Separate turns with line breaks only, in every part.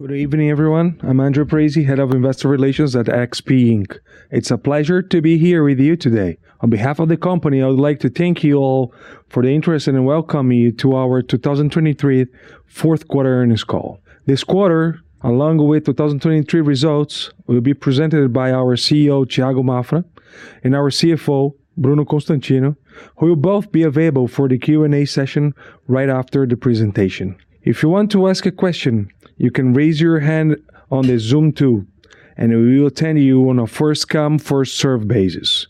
Good evening, everyone. I'm André Parize, Head of Investor Relations at XP Inc. It's a pleasure to be here with you today. On behalf of the company, I would like to thank you all for the interest and welcome you to our 2023 Fourth Quarter Earnings Call. This quarter, along with 2023 results, will be presented by our CEO, Thiago Maffra, and our CFO, Bruno Constantino, who will both be available for the Q&A session right after the presentation. If you want to ask a question, you can raise your hand on the Zoom tool, and we will attend you on a first-come, first-served basis.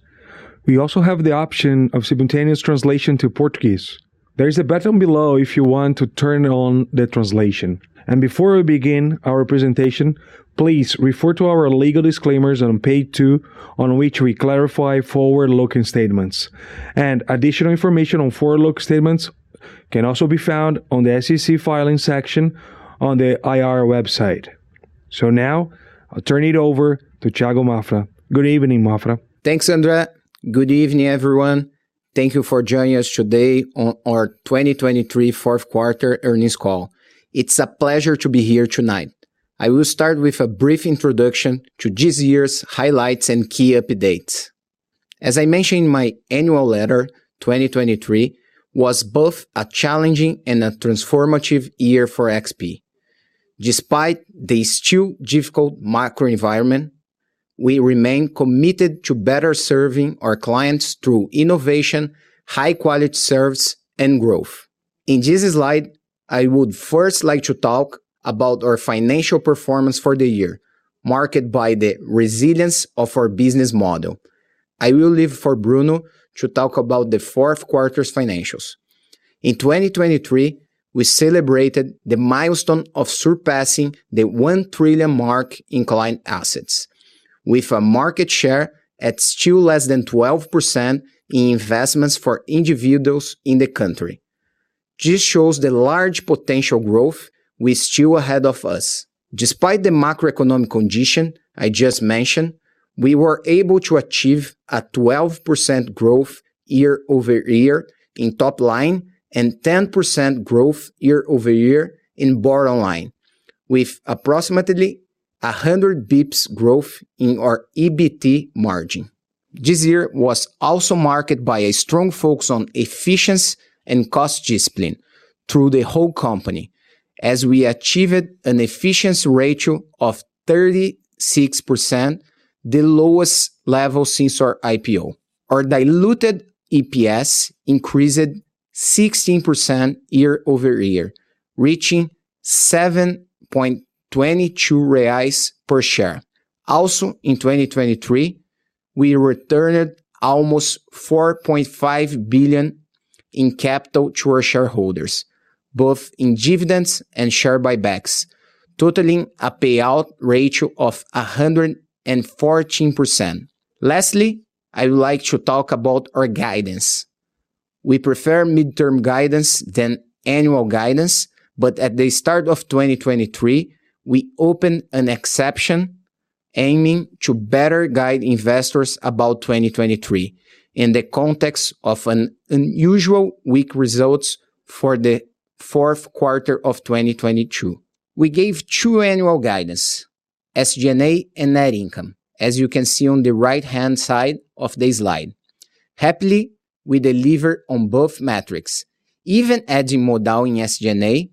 We also have the option of simultaneous translation to Portuguese. There is a button below if you want to turn on the translation. Before we begin our presentation, please refer to our legal disclaimers on page two, on which we clarify forward-looking statements. Additional information on forward-looking statements can also be found on the SEC Filings section on the IR website. Now, I'll turn it over to Thiago Maffra. Good evening, Maffra.
Thanks, André. Good evening, everyone. Thank you for joining us today on our 2023 Fourth Quarter Earnings Call. It's a pleasure to be here tonight. I will start with a brief introduction to this year's highlights and key updates. As I mentioned in my annual letter, 2023 was both a challenging and a transformative year for XP. Despite the still difficult macro environment, we remain committed to better serving our clients through innovation, high-quality service, and growth. In this slide, I would first like to talk about our financial performance for the year, marked by the resilience of our business model. I will leave for Bruno to talk about the fourth quarter's financials. In 2023, we celebrated the milestone of surpassing the 1 trillion mark in client assets, with a market share at still less than 12% in investments for individuals in the country. This shows the large potential growth with still ahead of us. Despite the macroeconomic condition I just mentioned, we were able to achieve a 12% growth year-over-year in top line and 10% growth year-over-year in bottom line, with approximately 100 bps growth in our EBT margin. This year was also marked by a strong focus on efficiency and cost discipline through the whole company, as we achieved an efficiency ratio of 36%, the lowest level since our IPO. Our diluted EPS increased 16% year-over-year, reaching 7.22 reais per share. Also, in 2023, we returned almost 4.5 billion in capital to our shareholders, both in dividends and share buybacks, totaling a payout ratio of 114%. Lastly, I would like to talk about our guidance. We prefer mid-term guidance than annual guidance, but at the start of 2023, we opened an exception aiming to better guide investors about 2023 in the context of an unusual weak results for the fourth quarter of 2022. We gave two annual guidance: SG&A and net income, as you can see on the right-hand side of the slide. Happily, we delivered on both metrics, even adding Modal in SG&A,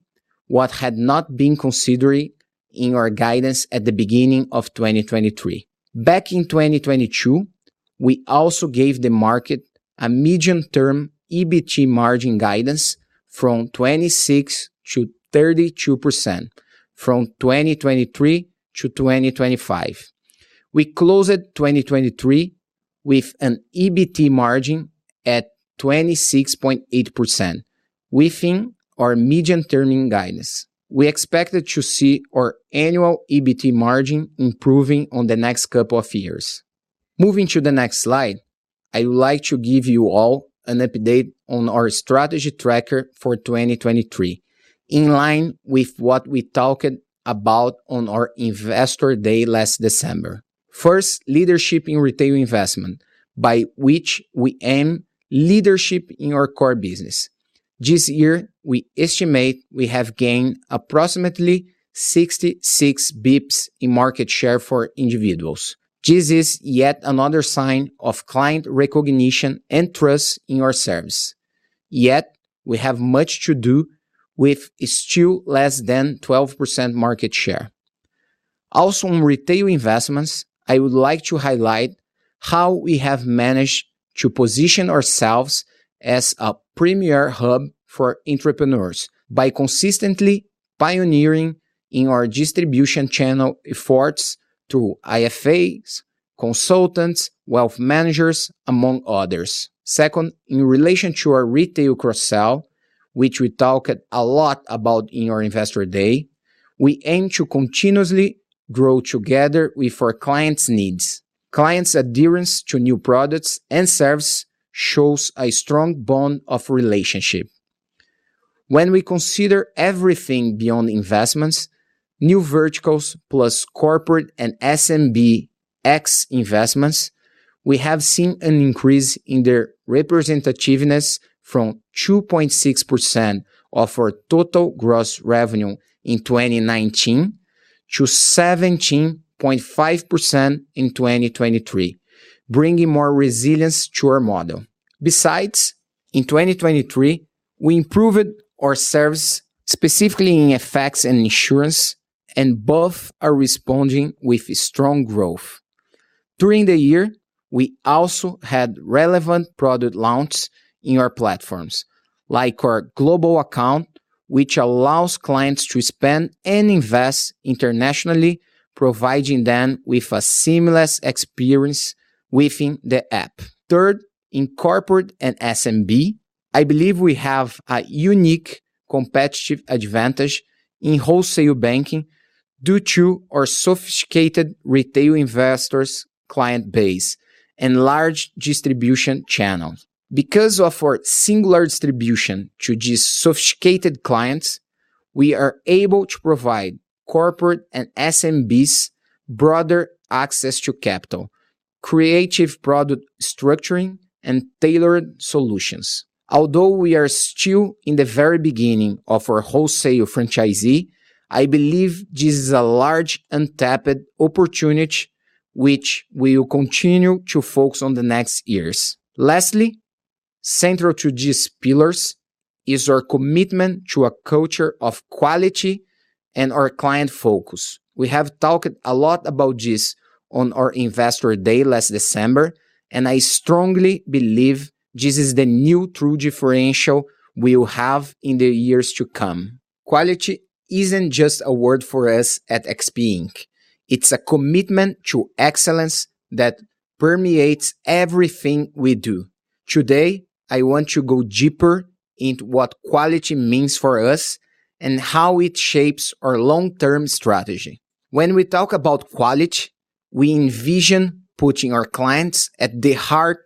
what had not been considered in our guidance at the beginning of 2023. Back in 2022, we also gave the market a medium-term EBT margin guidance from 26%-32% from 2023 to 2025. We closed 2023 with an EBT margin at 26.8%, within our medium-term guidance. We expected to see our annual EBT margin improving on the next couple of years. Moving to the next slide, I would like to give you all an update on our strategy tracker for 2023, in line with what we talked about on our Investor Day last December. First, leadership in retail investment, by which we aim leadership in our core business. This year, we estimate we have gained approximately 66 bps in market share for individuals. This is yet another sign of client recognition and trust in our service. Yet, we have much to do with still less than 12% market share. Also, on retail investments, I would like to highlight how we have managed to position ourselves as a premier hub for entrepreneurs by consistently pioneering in our distribution channel efforts through IFAs, consultants, wealth managers, among others. Second, in relation to our retail cross-sell, which we talked a lot about in our Investor Day, we aim to continuously grow together with our clients' needs. Clients' adherence to new products and services shows a strong bond of relationship. When we consider everything beyond investments, new verticals plus Corporate and SMB ex-investments, we have seen an increase in their representativeness from 2.6% of our total gross revenue in 2019 to 17.5% in 2023, bringing more resilience to our model. Besides, in 2023, we improved our service, specifically in FX and insurance, and both are responding with strong growth. During the year, we also had relevant product launches in our platforms, like our Global Account, which allows clients to spend and invest internationally, providing them with a seamless experience within the app. Third, in Corporate and SMB, I believe we have a unique competitive advantage in wholesale banking due to our sophisticated retail investors, client base, and large distribution channels. Because of our singular distribution to these sophisticated clients, we are able to provide Corporate and SMBs broader access to capital, creative product structuring, and tailored solutions. Although we are still in the very beginning of our wholesale franchise, I believe this is a large, untapped opportunity which we will continue to focus on the next years. Lastly, central to these pillars is our commitment to a culture of quality and our client focus. We have talked a lot about this on our Investor Day last December, and I strongly believe this is the new true differentiator we will have in the years to come. Quality isn't just a word for us at XP Inc, it's a commitment to excellence that permeates everything we do. Today, I want to go deeper into what quality means for us and how it shapes our long-term strategy. When we talk about quality, we envision putting our clients at the heart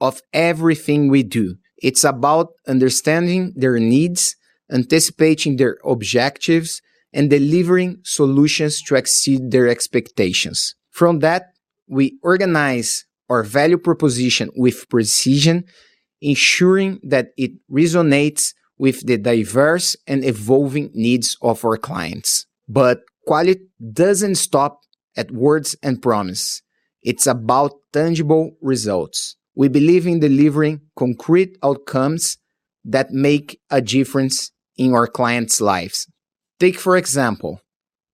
of everything we do. It's about understanding their needs, anticipating their objectives, and delivering solutions to exceed their expectations. From that, we organize our value proposition with precision, ensuring that it resonates with the diverse and evolving needs of our clients. But quality doesn't stop at words and promise; it's about tangible results. We believe in delivering concrete outcomes that make a difference in our clients' lives. Take, for example,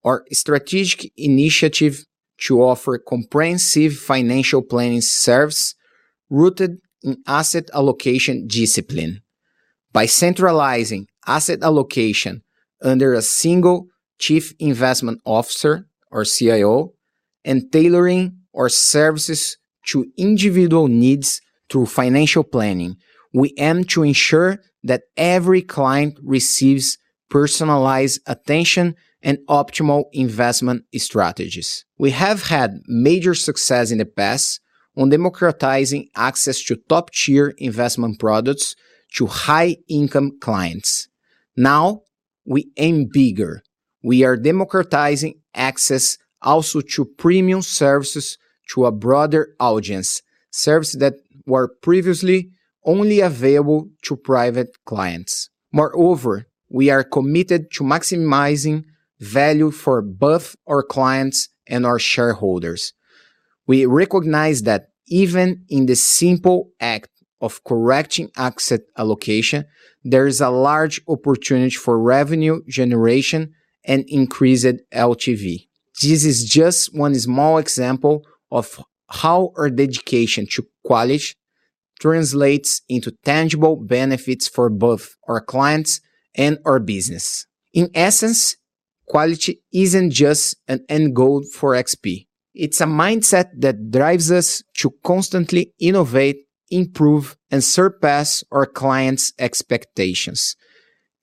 our strategic initiative to offer comprehensive financial planning service rooted in asset allocation discipline. By centralizing asset allocation under a single Chief Investment Officer, or CIO, and tailoring our services to individual needs through financial planning, we aim to ensure that every client receives personalized attention and optimal investment strategies. We have had major success in the past on democratizing access to top-tier investment products to high-income clients. Now, we aim bigger. We are democratizing access also to premium services to a broader audience, services that were previously only available to private clients. Moreover, we are committed to maximizing value for both our clients and our shareholders. We recognize that even in the simple act of correcting asset allocation, there is a large opportunity for revenue generation and increased LTV. This is just one small example of how our dedication to quality translates into tangible benefits for both our clients and our business. In essence, quality isn't just an end goal for XP, it's a mindset that drives us to constantly innovate, improve, and surpass our clients' expectations.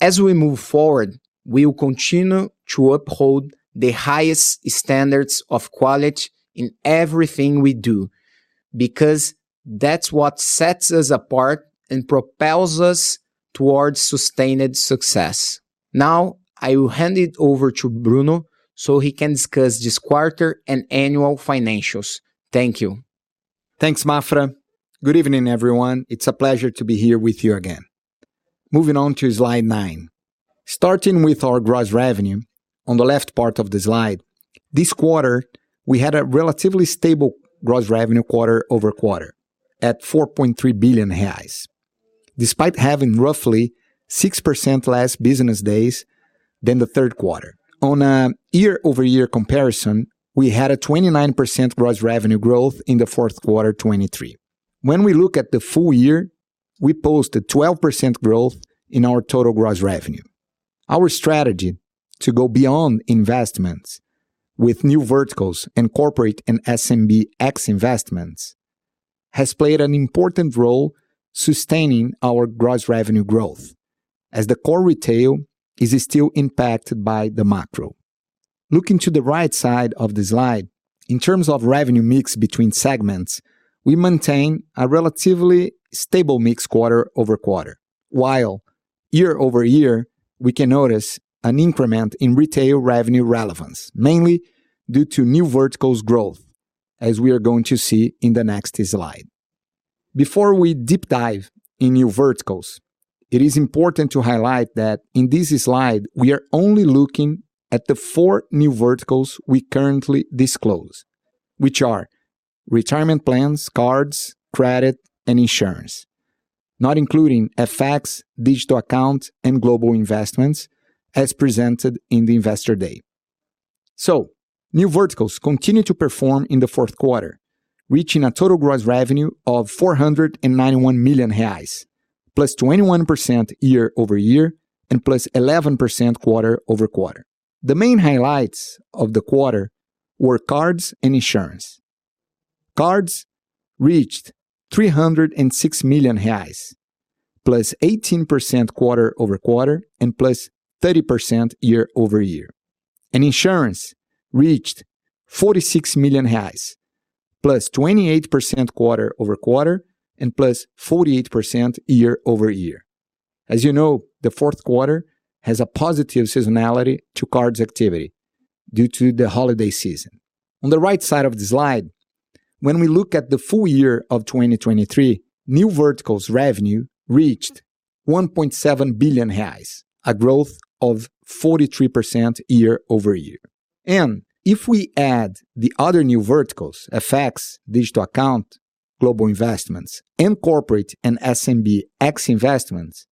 As we move forward, we will continue to uphold the highest standards of quality in everything we do, because that's what sets us apart and propels us towards sustained success. Now, I will hand it over to Bruno so he can discuss this quarter and annual financials. Thank you.
Thanks, Maffra. Good evening, everyone. It's a pleasure to be here with you again. Moving on to slide nine. Starting with our gross revenue, on the left part of the slide, this quarter, we had a relatively stable gross revenue quarter over quarter at 4.3 billion reais, despite having roughly 6% less business days than the third quarter. On a year-over-year comparison, we had a 29% gross revenue growth in the fourth quarter 2023. When we look at the full year, we posted 12% growth in our total gross revenue. Our strategy to go beyond investments with new verticals and Corporate and SMB ex-investments has played an important role sustaining our gross revenue growth, as the core retail is still impacted by the macro. Looking to the right side of the slide, in terms of revenue mix between segments, we maintain a relatively stable mix quarter-over-quarter. Year-over-year, we can notice an increment in retail revenue relevance, mainly due to new verticals growth, as we are going to see in the next slide. Before we deep dive in new verticals, it is important to highlight that in this slide, we are only looking at the four new verticals we currently disclose, which are retirement plans, cards, credit, and insurance, not including FX, digital account, and global investments as presented in the Investor Day. So new verticals continue to perform in the fourth quarter, reaching a total gross revenue of 491 million reais, +21% year-over-year, and +11% quarter-over-quarter. The main highlights of the quarter were cards and insurance. Cards reached BRL 306 million, +18% quarter-over-quarter, and +30% year-over-year. Insurance reached BRL 46 million, +28% quarter-over-quarter, and +48% year-over-year. As you know, the fourth quarter has a positive seasonality to cards activity due to the holiday season. On the right side of the slide, when we look at the full year of 2023, new verticals revenue reached 1.7 billion reais, a growth of 43% year-over-year. If we add the other new verticals, FX, digital account, global investments, and Corporate and SMB ex-investments,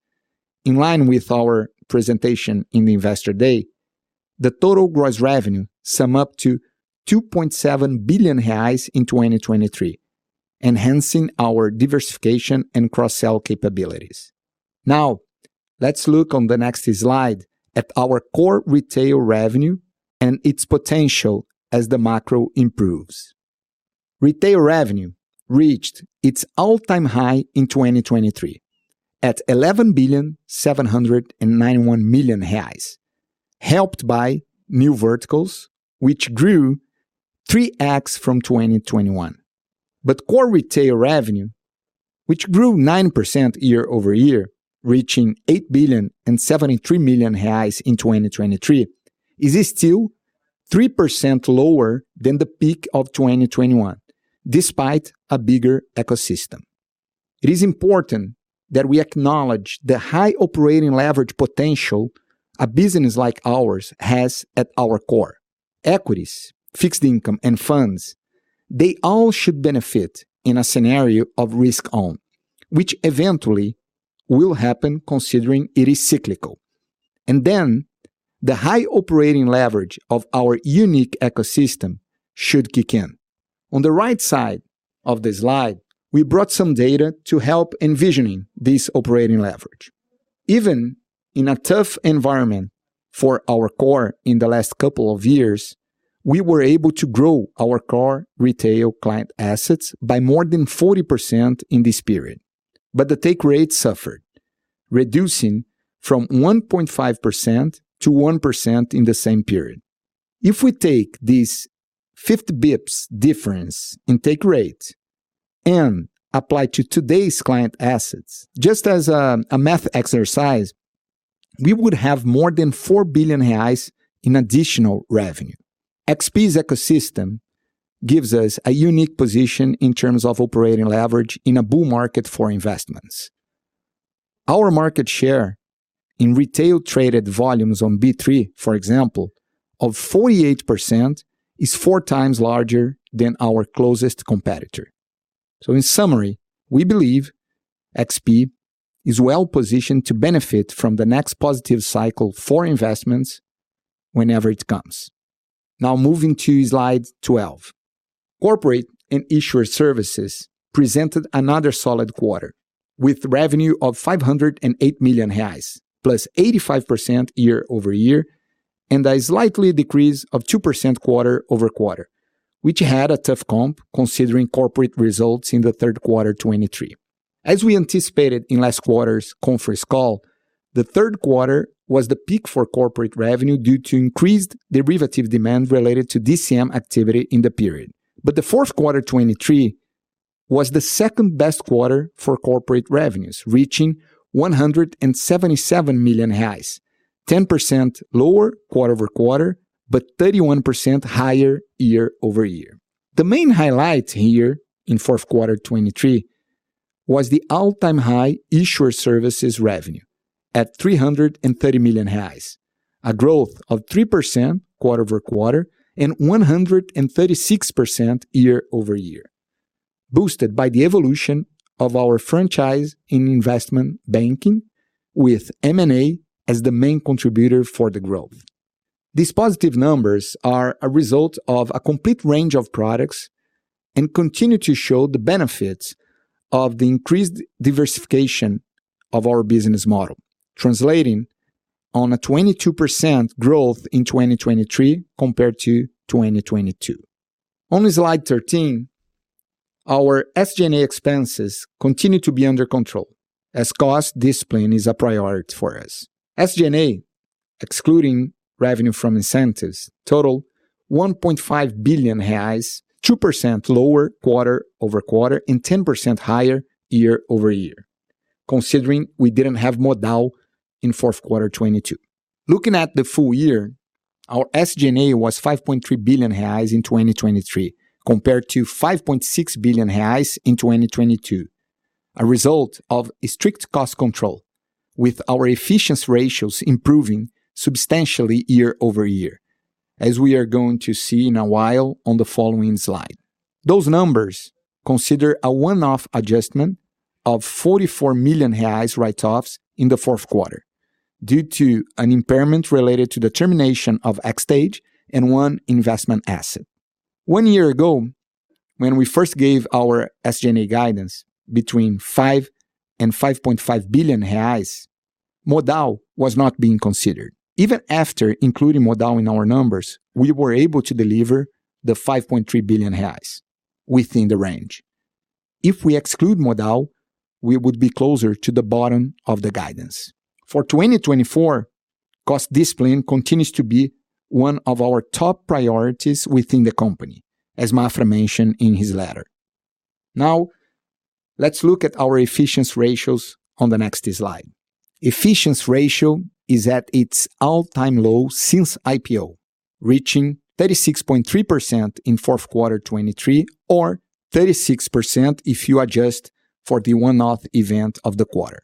in line with our presentation in the Investor Day, the total gross revenue sum up to 2.7 billion reais in 2023, enhancing our diversification and cross-sell capabilities. Now, let's look on the next slide at our core retail revenue and its potential as the macro improves. Retail revenue reached its all-time high in 2023 at 11.791 billion, helped by new verticals, which grew 3x from 2021. But core retail revenue, which grew 9% year-over-year, reaching 8.073 billion in 2023, is still 3% lower than the peak of 2021, despite a bigger ecosystem. It is important that we acknowledge the high operating leverage potential a business like ours has at our core. Equities, fixed income, and funds, they all should benefit in a scenario of risk-on, which eventually will happen, considering it is cyclical, and then the high operating leverage of our unique ecosystem should kick in. On the right side of the slide, we brought some data to help envisioning this operating leverage. Even in a tough environment for our core in the last couple of years, we were able to grow our core retail client assets by more than 40% in this period, but the take rate suffered, reducing from 1.5% to 1% in the same period. If we take this 50 bps difference in take rate and apply to today's client assets, just as a, a math exercise, we would have more than 4 billion reais in additional revenue. XP's ecosystem gives us a unique position in terms of operating leverage in a bull market for investments. Our market share in retail traded volumes on B3, for example, of 48%, is four times larger than our closest competitor. So in summary, we believe XP is well positioned to benefit from the next positive cycle for investments whenever it comes. Now, moving to slide 12. Corporate and Issuer Services presented another solid quarter, with revenue of 508 million reais, +85% year-over-year, and a slight decrease of 2% quarter-over-quarter, which had a tough comp, considering Corporate results in the third quarter 2023. As we anticipated in last quarter's conference call, the third quarter was the peak for Corporate revenue due to increased derivative demand related to DCM activity in the period. But the fourth quarter 2023 was the second-best quarter for Corporate revenues, reaching 177 million reais, 10% lower quarter-over-quarter, but 31% higher year-over-year. The main highlight here in fourth quarter 2023 was the all-time high Issuer Services revenue at 330 million reais, a growth of 3% quarter-over-quarter and 136% year-over-year, boosted by the evolution of our franchise in investment banking with M&A as the main contributor for the growth. These positive numbers are a result of a complete range of products and continue to show the benefits of the increased diversification of our business model, translating on a 22% growth in 2023 compared to 2022. On slide 13, our SG&A expenses continue to be under control, as cost discipline is a priority for us. SG&A excluding revenue from incentives, total 1.5 billion reais, 2% lower quarter-over-quarter and 10% higher year-over-year, considering we didn't have Modal in fourth quarter 2022. Looking at the full year, our SG&A was 5.3 billion reais in 2023, compared to 5.6 billion reais in 2022. A result of strict cost control, with our efficiency ratios improving substantially year-over-year, as we are going to see in a while on the following slide. Those numbers consider a one-off adjustment of 44 million reais write-offs in the fourth quarter due to an impairment related to the termination of XTAGE and one investment asset. One year ago, when we first gave our SG&A guidance between 5 billion and 5.5 billion reais, Modal was not being considered. Even after including Modal in our numbers, we were able to deliver the 5.3 billion reais within the range. If we exclude Modal, we would be closer to the bottom of the guidance. For 2024, cost discipline continues to be one of our top priorities within the company, as Maffra mentioned in his letter. Now, let's look at our efficiency ratios on the next slide. Efficiency ratio is at its all-time low since IPO, reaching 36.3% in fourth quarter 2023, or 36% if you adjust for the one-off event of the quarter.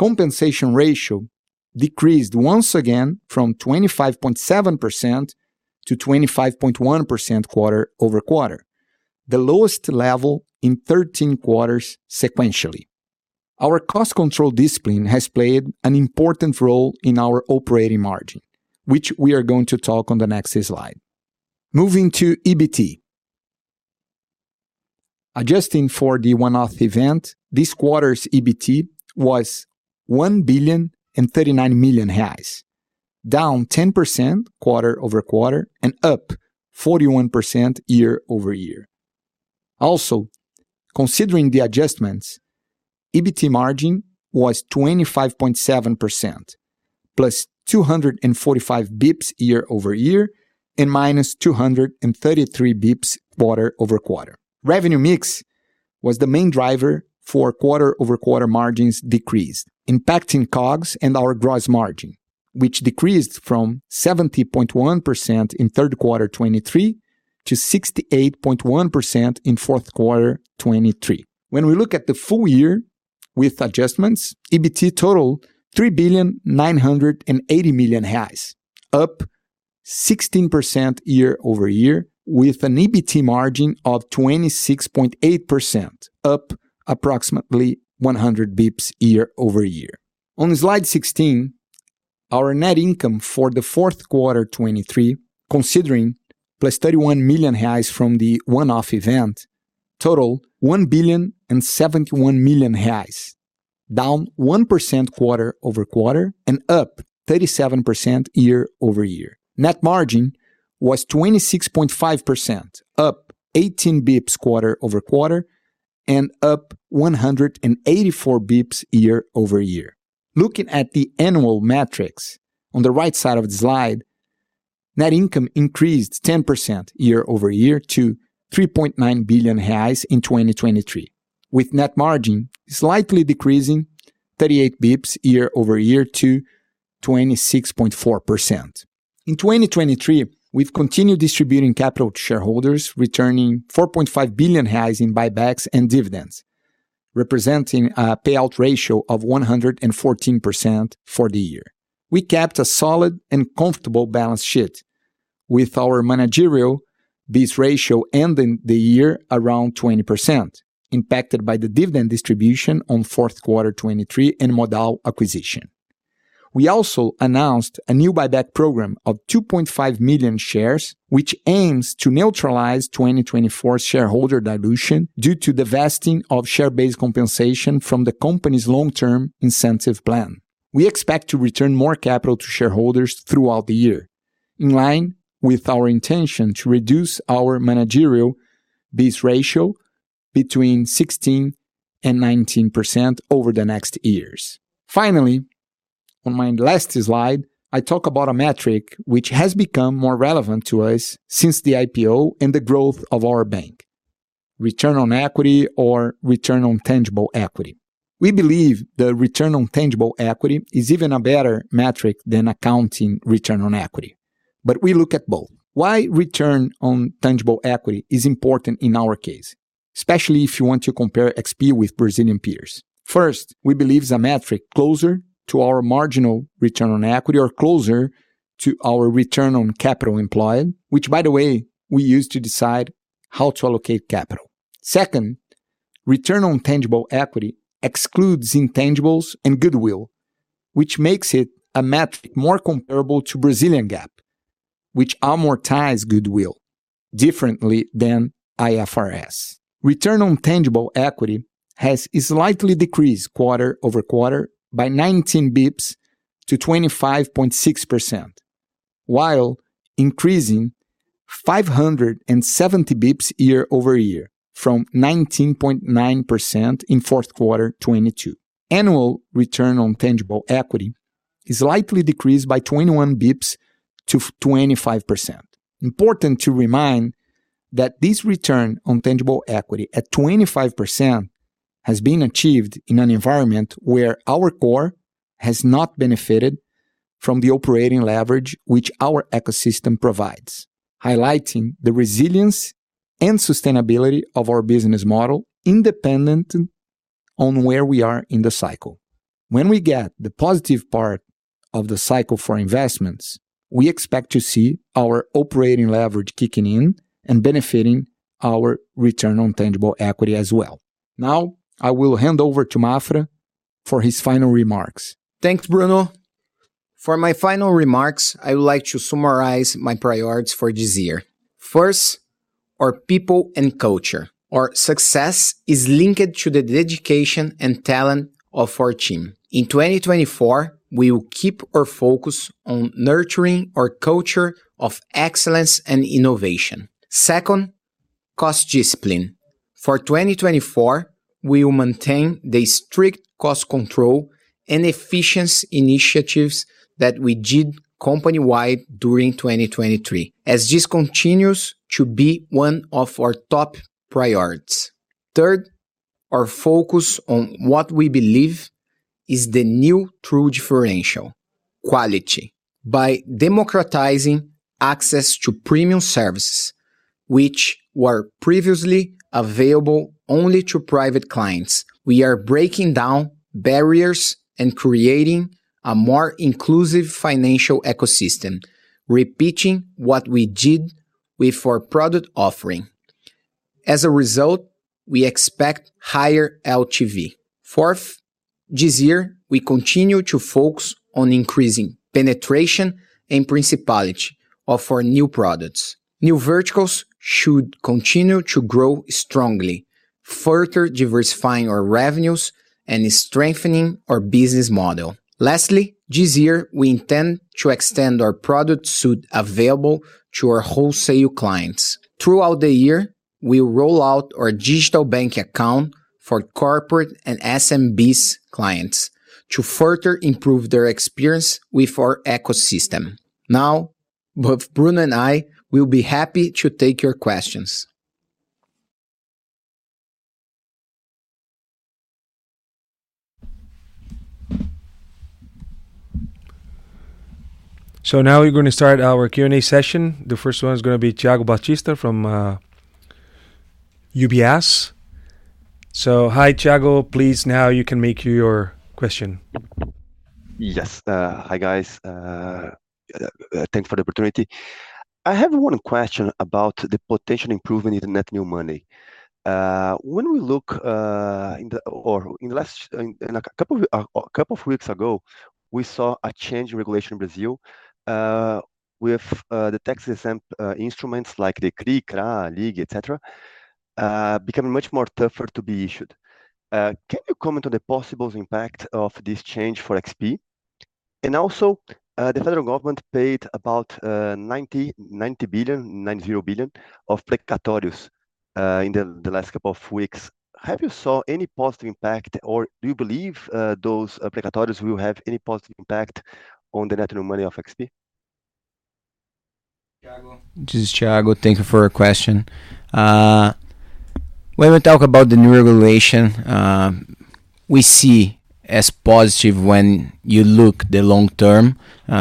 Compensation ratio decreased once again from 25.7% to 25.1% quarter-over-quarter, the lowest level in 13 quarters sequentially. Our cost control discipline has played an important role in our operating margin, which we are going to talk on the next slide. Moving to EBT. Adjusting for the one-off event, this quarter's EBT was 1.039 billion, down 10% quarter-over-quarter and up 41% year-over-year. Also, considering the adjustments, EBT margin was 25.7%, +245 bps year-over-year and -233 bps quarter-over-quarter. Revenue mix was the main driver for quarter-over-quarter margins decrease, impacting COGS and our gross margin, which decreased from 70.1% in third quarter 2023 to 68.1% in fourth quarter 2023. When we look at the full year with adjustments, EBT total 3.98 billion, up 16% year-over-year, with an EBT margin of 26.8%, up approximately 100 bps year-over-year. On slide 16, our net income for the fourth quarter 2023, considering +31 million reais from the one-off event, total 1.071 billion, down 1% quarter-over-quarter and up 37% year-over-year. Net margin was 26.5%, up 18 bps quarter-over-quarter and up 184 bps year-over-year. Looking at the annual metrics on the right side of the slide, net income increased 10% year-over-year to 3.9 billion reais in 2023, with net margin slightly decreasing 38 bps year-over-year to 26.4%. In 2023, we've continued distributing capital to shareholders, returning 4.5 billion reais in buybacks and dividends, representing a payout ratio of 114% for the year. We kept a solid and comfortable balance sheet with our managerial Tier 1 ratio ending the year around 20%, impacted by the dividend distribution on fourth quarter 2023 and Modal acquisition. We also announced a new buyback program of 2.5 million shares, which aims to neutralize 2024 shareholder dilution due to the vesting of share-based compensation from the company's long-term incentive plan. We expect to return more capital to shareholders throughout the year, in line with our intention to reduce our managerial base ratio between 16%-19% over the next years. Finally, on my last slide, I talk about a metric which has become more relevant to us since the IPO and the growth of our bank: return on equity or return on tangible equity. We believe the return on tangible equity is even a better metric than accounting return on equity, but we look at both. Why return on tangible equity is important in our case, especially if you want to compare XP with Brazilian peers? First, we believe it's a metric closer to our marginal return on equity or closer to our return on capital employed, which, by the way, we use to decide how to allocate capital. Second, return on tangible equity excludes intangibles and goodwill, which makes it a metric more comparable to Brazilian GAAP, which amortize goodwill differently than IFRS. Return on tangible equity has slightly decreased quarter-over-quarter by 19 bps to 25.6%... while increasing 570 bps year-over-year, from 19.9% in fourth quarter 2022. Annual return on tangible equity is slightly decreased by 21 bps to 25%. Important to remind that this return on tangible equity at 25%, has been achieved in an environment where our core has not benefited from the operating leverage which our ecosystem provides, highlighting the resilience and sustainability of our business model, independent on where we are in the cycle. When we get the positive part of the cycle for investments, we expect to see our operating leverage kicking in and benefiting our return on tangible equity as well. Now, I will hand over to Maffra for his final remarks.
Thanks, Bruno. For my final remarks, I would like to summarize my priorities for this year. First, our people and culture. Our success is linked to the dedication and talent of our team. In 2024, we will keep our focus on nurturing our culture of excellence and innovation. Second, cost discipline. For 2024, we will maintain the strict cost control and efficiency initiatives that we did company-wide during 2023, as this continues to be one of our top priorities. Third, our focus on what we believe is the new true differential: quality. By democratizing access to premium services, which were previously available only to private clients, we are breaking down barriers and creating a more inclusive financial ecosystem, repeating what we did with our product offering. As a result, we expect higher LTV. Fourth, this year, we continue to focus on increasing penetration and profitability of our new products. New verticals should continue to grow strongly, further diversifying our revenues and strengthening our business model. Lastly, this year, we intend to extend our product suite available to our wholesale clients. Throughout the year, we will roll out our digital bank account for Corporate and SMB clients to further improve their experience with our ecosystem. Now, both Bruno and I will be happy to take your questions.
Now we're going to start our Q&A session. The first one is gonna be Thiago Batista from UBS. Hi, Thiago. Please, now you can make your question.
Yes. Hi, guys. Thanks for the opportunity. I have one question about the potential improvement in the net new money. When we look in the last couple of weeks ago, we saw a change in regulation in Brazil with the tax-exempt instruments like the CRI, CRA, LIG, et cetera, becoming much more tougher to be issued. Can you comment on the possible impact of this change for XP? And also, the federal government paid about 90 billion of precatórios in the last couple of weeks. Have you saw any positive impact, or do you believe those precatórios will have any positive impact on the net new money of XP?
Thiago. This is Thiago. Thank you for your question. When we talk about the new regulation, we see as positive when you look the long term,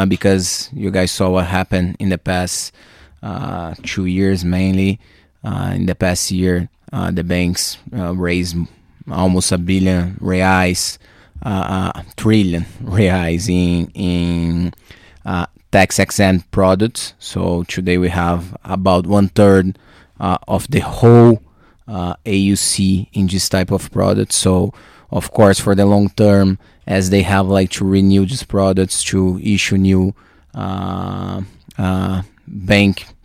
because you guys saw what happened in the past two years, mainly. In the past year, the banks raised almost BRL 1 billion, 1 trillion reais in tax-exempt products. So today we have about one third of the whole AUC in this type of product. So of course, for the long term, as they have like to renew these products, to issue new bank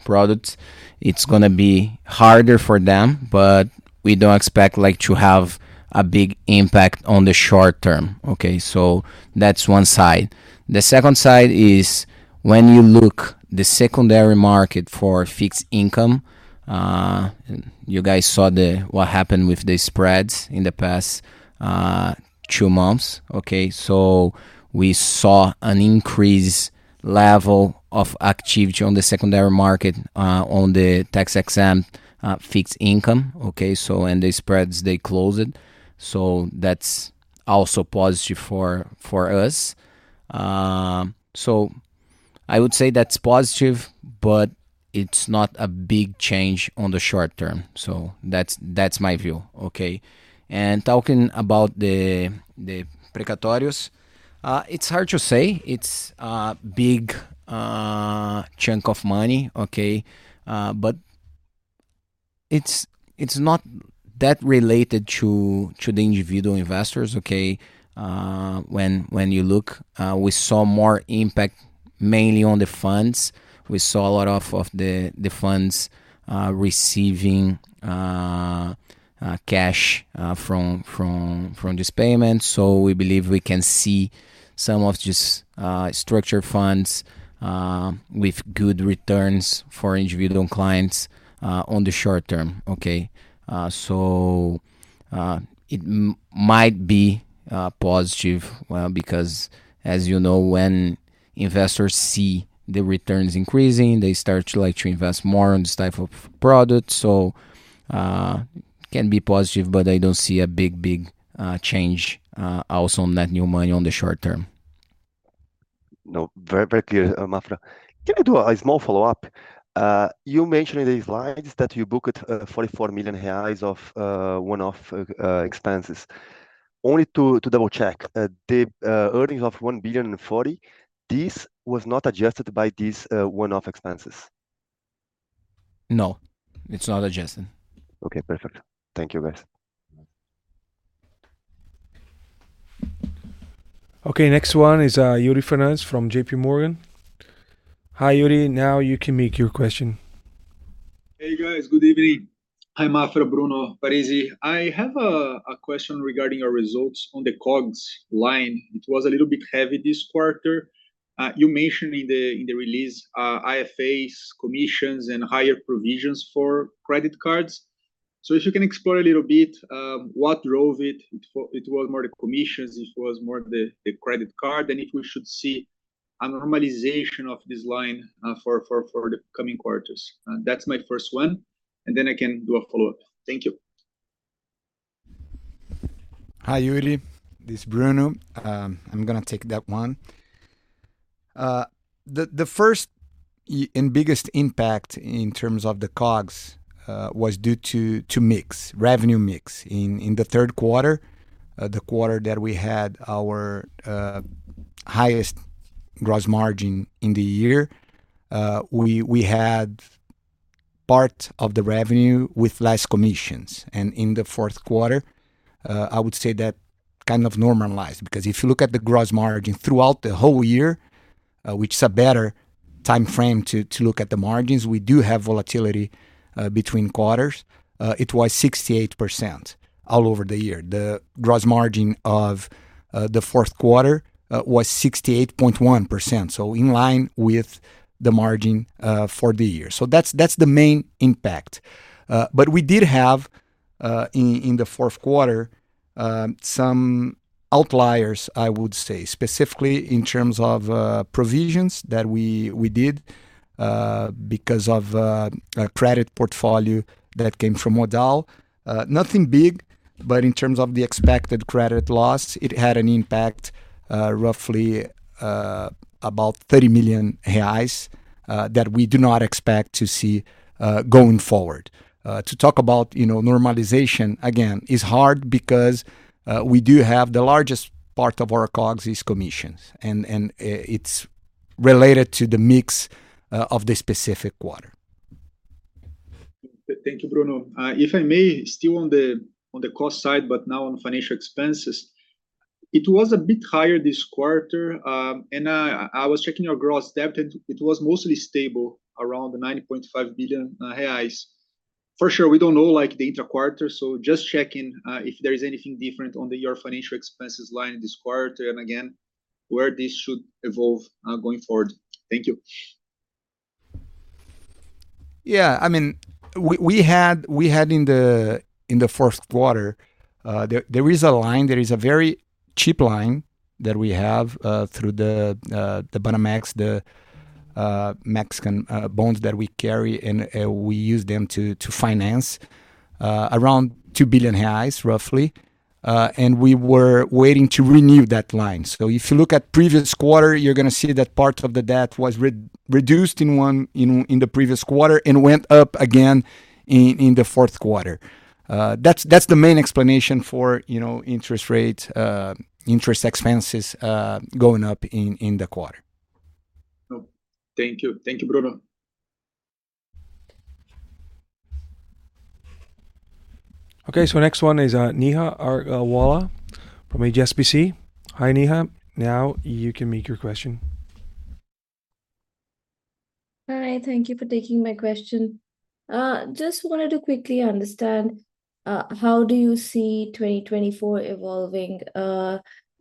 products, it's gonna be harder for them, but we don't expect, like, to have a big impact on the short term. Okay, so that's one side. The second side is when you look the secondary market for fixed income, you guys saw what happened with the spreads in the past, two months. Okay, so we saw an increase level of activity on the secondary market, on the tax-exempt, fixed income. Okay, so and the spreads, they closed. So that's also positive for us. So I would say that's positive, but it's not a big change on the short term. So that's my view. Okay? And talking about the precatórios, it's hard to say. It's a big chunk of money, okay? But it's not-... that related to the individual investors, okay? When you look, we saw more impact mainly on the funds. We saw a lot of the funds receiving cash from this payment. So we believe we can see some of this structure funds with good returns for individual clients on the short term, okay? So it might be positive, well, because as you know, when investors see the returns increasing, they start to like to invest more on this type of product. So can be positive, but I don't see a big change also on net new money on the short term.
No, very, very clear, Maffra. Can I do a small follow-up? You mentioned in the slides that you booked 44 million reais of one-off expenses. Only to double-check the earnings of 1.04 billion, this was not adjusted by these one-off expenses?
No, it's not adjusted.
Okay, perfect. Thank you, guys.
Okay, next one is Yuri Fernandes from JPMorgan. Hi, Yuri, now you can make your question.
Hey, guys. Good evening. Hi, Maffra, Bruno, Parize. I have a question regarding your results on the COGS line. It was a little bit heavy this quarter. You mentioned in the release, IFAs, commissions, and higher provisions for credit cards. So if you can explore a little bit, what drove it? It was more the commissions, it was more the credit card, and if we should see a normalization of this line, for the coming quarters. That's my first one, and then I can do a follow-up. Thank you.
Hi, Yuri, this Bruno. I'm gonna take that one. The first and biggest impact in terms of the COGS was due to mix, revenue mix. In the third quarter, the quarter that we had our highest gross margin in the year, we had part of the revenue with less commissions. And in the fourth quarter, I would say that kind of normalized. Because if you look at the gross margin throughout the whole year, which is a better timeframe to look at the margins, we do have volatility between quarters. It was 68% all over the year. The gross margin of the fourth quarter was 68.1%, so in line with the margin for the year. So that's the main impact. But we did have, in the fourth quarter, some outliers, I would say, specifically in terms of provisions that we did because of a credit portfolio that came from Modal. Nothing big, but in terms of the expected credit loss, it had an impact, roughly about 30 million reais, that we do not expect to see going forward. To talk about, you know, normalization, again, is hard because we do have the largest part of our COGS is commissions, and it's related to the mix of the specific quarter.
Thank you, Bruno. If I may, still on the cost side, but now on financial expenses, it was a bit higher this quarter. And I was checking your gross debt, and it was mostly stable around 95.5 billion reais. For sure, we don't know, like, the inter quarter, so just checking if there is anything different on your financial expenses line this quarter, and again, where this should evolve going forward. Thank you.
Yeah, I mean, we had in the fourth quarter, there is a very cheap line that we have through the Banamex, the Mexican bonds that we carry, and we use them to finance around 2 billion reais, roughly. And we were waiting to renew that line. So if you look at previous quarter, you're gonna see that part of the debt was reduced in the previous quarter and went up again in the fourth quarter. That's the main explanation for, you know, interest expenses going up in the quarter.
Thank you. Thank you, Bruno.
Okay, so next one is Neha Agarwala from HSBC. Hi, Neha. Now you can make your question.
Hi, thank you for taking my question. Just wanted to quickly understand, how do you see 2024 evolving?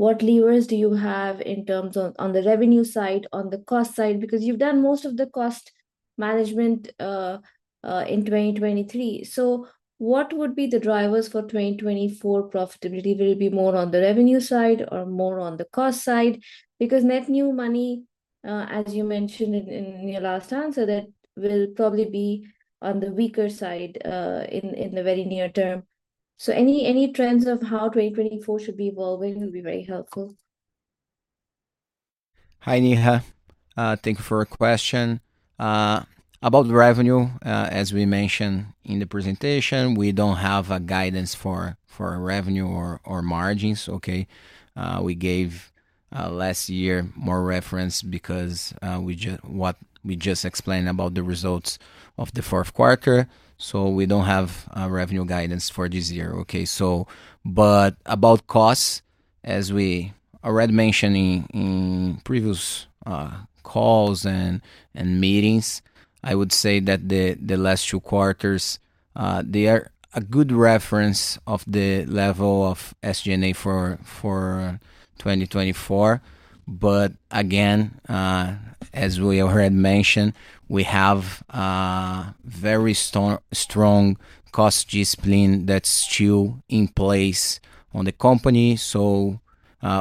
What levers do you have in terms of on the revenue side, on the cost side? Because you've done most of the cost management, in 2023. So what would be the drivers for 2024 profitability? Will it be more on the revenue side or more on the cost side? Because net new money, as you mentioned in your last answer, that will probably be on the weaker side, in the very near term. So any trends of how 2024 should be evolving will be very helpful.
Hi, Neha. Thank you for your question. About the revenue, as we mentioned in the presentation, we don't have a guidance for our revenue or margins, okay? Last year we gave more reference because what we just explained about the results of the fourth quarter, so we don't have a revenue guidance for this year, okay? But about costs, as we already mentioned in previous calls and meetings, I would say that the last two quarters they are a good reference of the level of SG&A for 2024. But again, as we already mentioned, we have very strong cost discipline that's still in place on the company, so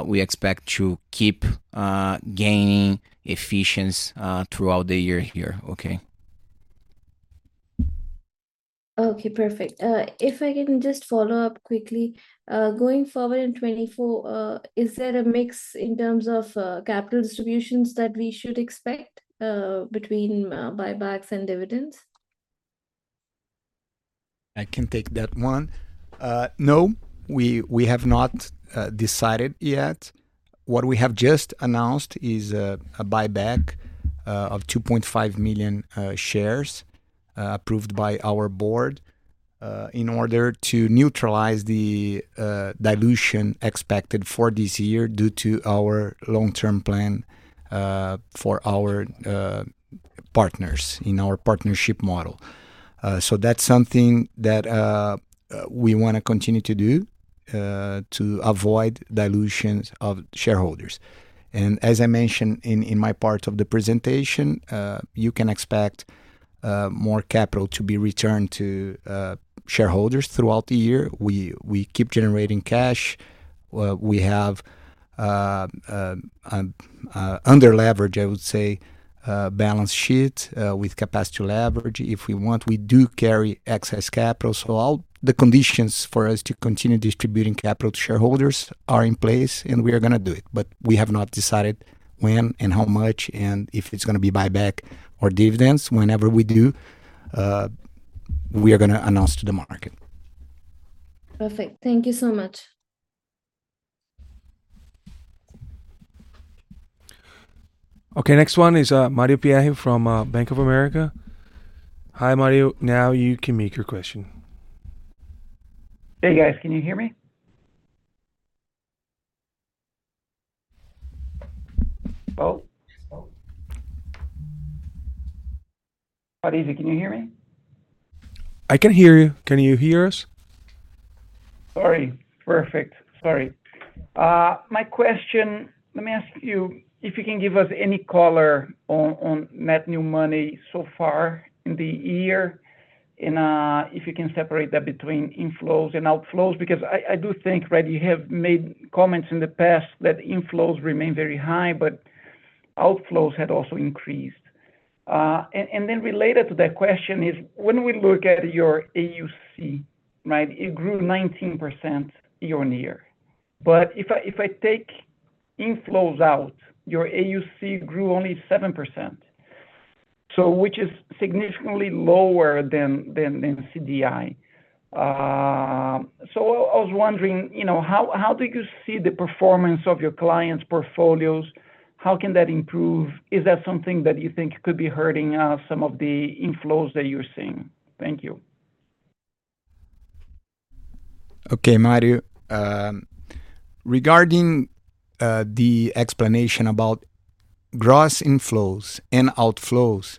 we expect to keep gaining efficiency throughout the year here. Okay.
Okay, perfect. If I can just follow up quickly. Going forward in 2024, is there a mix in terms of capital distributions that we should expect, between buybacks and dividends?
I can take that one. No, we have not decided yet. What we have just announced is a buyback of 2.5 million shares approved by our board in order to neutralize the dilution expected for this year due to our long-term plan for our partners in our partnership model. So that's something that we wanna continue to do to avoid dilutions of shareholders. And as I mentioned in my part of the presentation, you can expect more capital to be returned to shareholders throughout the year. We keep generating cash. We have under leverage, I would say, balance sheet with capacity to leverage. If we want, we do carry excess capital. So all the conditions for us to continue distributing capital to shareholders are in place, and we are gonna do it. But we have not decided when and how much, and if it's gonna be buyback or dividends. Whenever we do, we are gonna announce to the market.
Perfect. Thank you so much.
Okay, next one is Mario Pierry from Bank of America. Hi, Mario, now you can make your question.
Hey, guys, can you hear me? Oh, oh. Parize, can you hear me?
I can hear you. Can you hear us?
Sorry. Perfect. Sorry. My question, let me ask you if you can give us any color on net new money so far in the year, and if you can separate that between inflows and outflows, because I do think, right, you have made comments in the past that inflows remain very high, but outflows had also increased. And then related to that question is, when we look at your AUC, right, it grew 19% year-on-year. But if I take inflows out, your AUC grew only 7%, so which is significantly lower than CDI. So I was wondering, you know, how do you see the performance of your clients' portfolios? How can that improve? Is that something that you think could be hurting some of the inflows that you're seeing? Thank you.
Okay, Mario, regarding the explanation about gross inflows and outflows,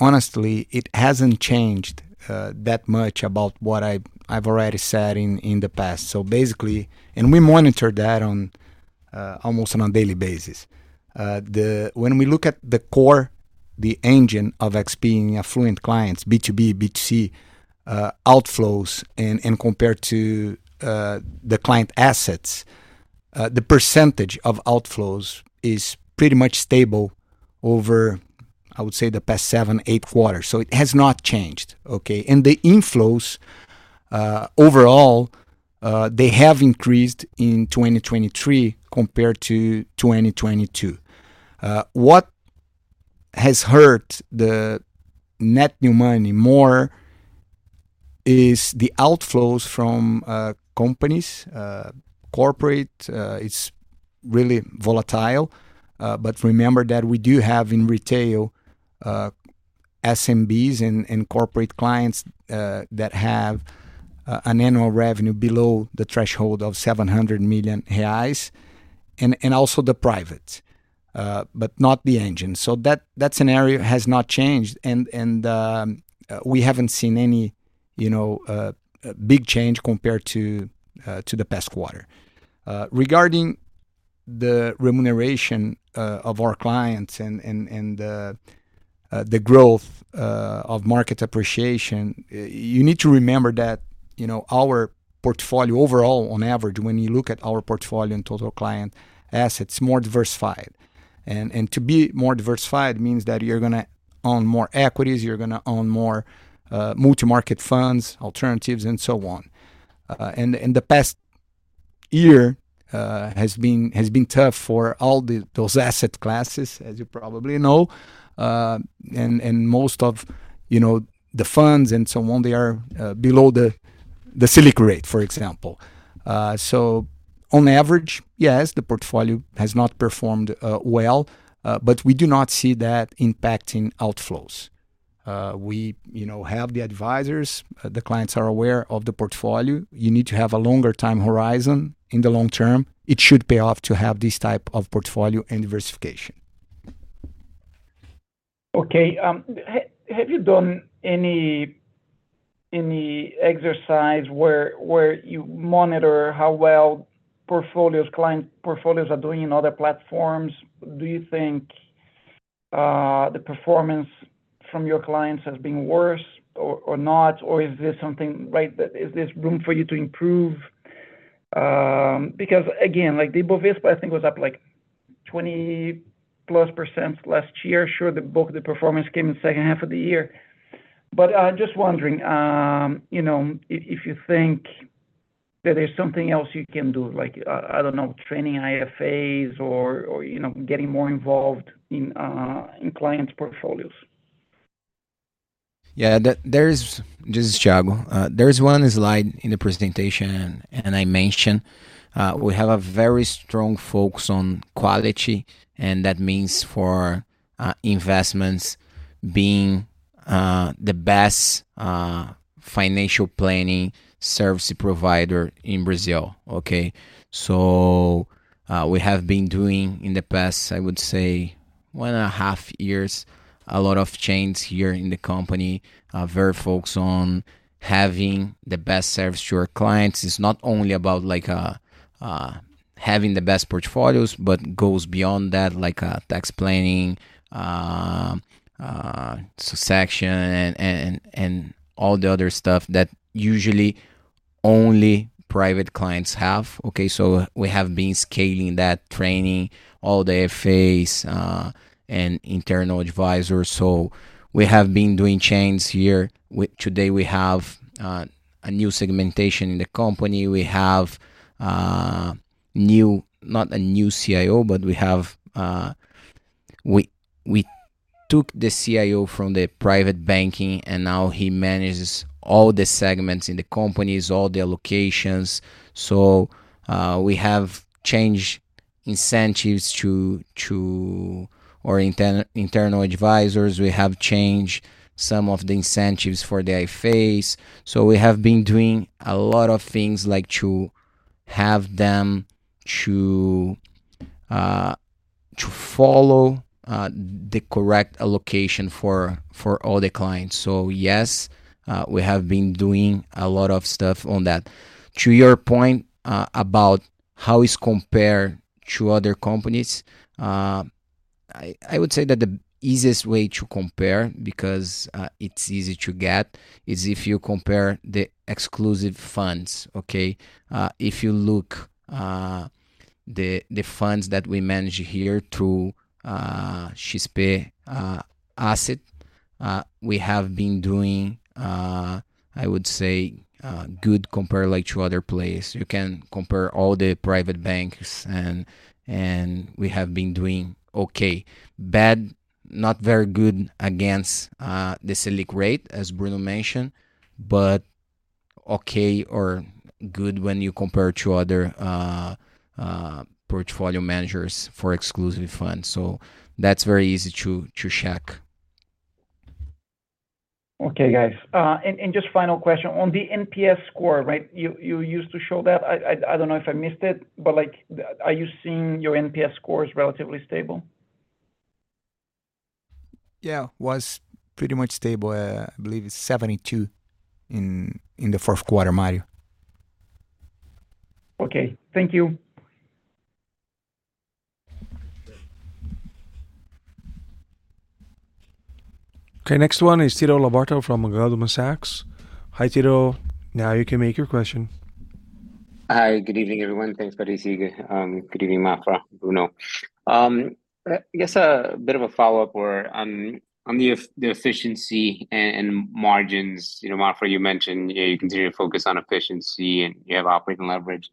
honestly, it hasn't changed that much about what I've already said in the past. So basically... And we monitor that on almost a daily basis. When we look at the core, the engine of XP affluent clients, B2B, B2C, outflows, and compared to the client assets, the percentage of outflows is pretty much stable over, I would say, the past seven, eight quarters. So it has not changed, okay? And the inflows, overall, they have increased in 2023 compared to 2022. What has hurt the net new money more is the outflows from companies. Corporate, it's really volatile, but remember that we do have in retail, SMBs and Corporate clients that have an annual revenue below the threshold of 700 million reais, and also the private, but not the engine. So that scenario has not changed, and we haven't seen any, you know, big change compared to the past quarter. Regarding the remuneration of our clients and the growth of market appreciation, you need to remember that, you know, our portfolio overall, on average, when you look at our portfolio and total client assets, more diversified. And to be more diversified means that you're gonna own more equities, you're gonna own more multi-market funds, alternatives, and so on. And the past year has been tough for all those asset classes, as you probably know. Most of, you know, the funds and so on, they are below the Selic rate, for example. So on average, yes, the portfolio has not performed well, but we do not see that impacting outflows. We, you know, have the advisors, the clients are aware of the portfolio. You need to have a longer time horizon. In the long term, it should pay off to have this type of portfolio and diversification.
Okay, have you done any exercise where you monitor how well portfolios, client portfolios are doing in other platforms? Do you think the performance from your clients has been worse or not? Or is there something, right, that... Is there room for you to improve? Because again, like, the Bovespa, I think, was up, like, 20%+ last year. Sure, the bulk of the performance came in the second half of the year. But just wondering, you know, if you think that there's something else you can do, like, I don't know, training IFAs or, you know, getting more involved in clients' portfolios.
This is Thiago. There is one slide in the presentation, and I mentioned we have a very strong focus on quality, and that means for investments being the best financial planning service provider in Brazil. Okay? So we have been doing in the past, I would say, 1.5 years, a lot of changes here in the company. Very focused on having the best service to our clients. It's not only about, like, having the best portfolios, but goes beyond that, like tax planning, succession and all the other stuff that usually only private clients have. Okay, so we have been scaling that training, all the IFAs and internal advisors. So we have been doing changes here. Today, we have a new segmentation in the company. We have new... Not a new CIO, but we have we took the CIO from the private banking, and now he manages all the segments in the companies, all the allocations. So we have changed incentives to our internal advisors. We have changed some of the incentives for the IFAs. So we have been doing a lot of things, like, to have them to follow the correct allocation for all the clients. So yes, we have been doing a lot of stuff on that. To your point, about how it's compared to other companies, I would say that the easiest way to compare, because it's easy to get, is if you compare the exclusive funds, okay? If you look, the funds that we manage here through XP Asset, we have been doing, I would say, good compare, like, to other place. You can compare all the private banks, and we have been doing okay. Bad, not very good against the Selic rate, as Bruno mentioned, but okay or good when you compare to other portfolio managers for exclusive funds. So that's very easy to check.
Okay, guys. Just final question. On the NPS score, right, you used to show that? I don't know if I missed it, but, like, are you seeing your NPS score is relatively stable?
Yeah. Was pretty much stable. I believe it's 72 in the fourth quarter, Mario.
Okay. Thank you.
Okay, next one is Tito Labarta from Goldman Sachs. Hi, Tito. Now you can make your question.
Hi. Good evening, everyone. Thanks, Parize. Good evening, Maffra, Bruno. I guess a bit of a follow-up or on the efficiency and margins. You know, Maffra, you mentioned, you know, you continue to focus on efficiency, and you have operating leverage.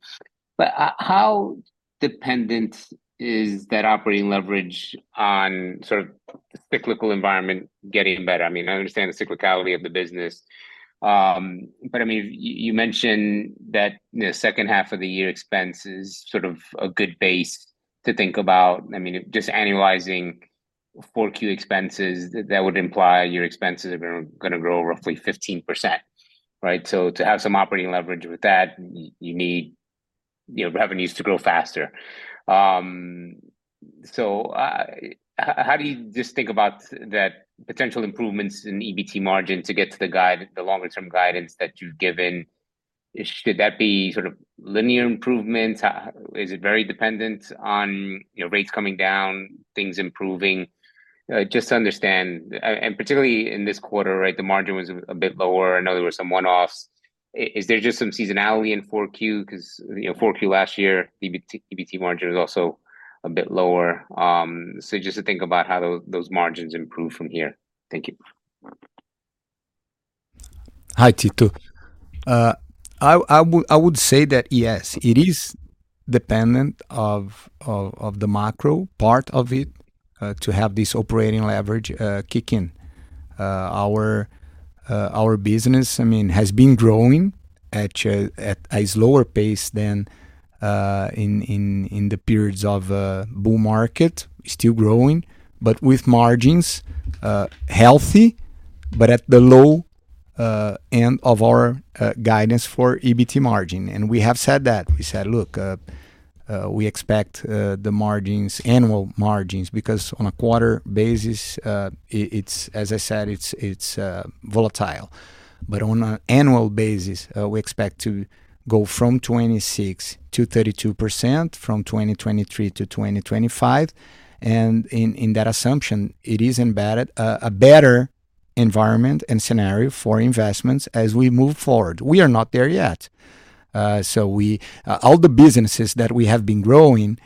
But how dependent is that operating leverage on sort of the cyclical environment getting better? I mean, I understand the cyclicality of the business. But I mean, you mentioned that the second half of the year expenses sort of a good base to think about. I mean, just annualizing 4Q expenses, that would imply your expenses are gonna grow roughly 15%, right? So to have some operating leverage with that, you need, you know, revenues to grow faster. So, how do you just think about that potential improvements in EBT margin to get to the guide, the longer term guidance that you've given? Should that be sort of linear improvements? Is it very dependent on, you know, rates coming down, things improving? Just to understand, and particularly in this quarter, right, the margin was a bit lower. I know there were some one-offs. Is there just some seasonality in 4Q? 'Cause, you know, 4Q last year, EBT margin was also a bit lower. So just to think about how those margins improve from here. Thank you.
Hi, Tito. I would say that yes, it is dependent of the macro part of it to have this operating leverage kick in. Our business, I mean, has been growing at a slower pace than in the periods of bull market. Still growing, but with margins healthy, but at the low end of our guidance for EBT margin. We have said that. We said, "Look, we expect the margins, annual margins," because on a quarter basis, it's, as I said, it's volatile. But on an annual basis, we expect to go from 26%-32%, from 2023 to 2025, and in that assumption, it is embedded a better environment and scenario for investments as we move forward. We are not there yet. So we all the businesses that we have been growing,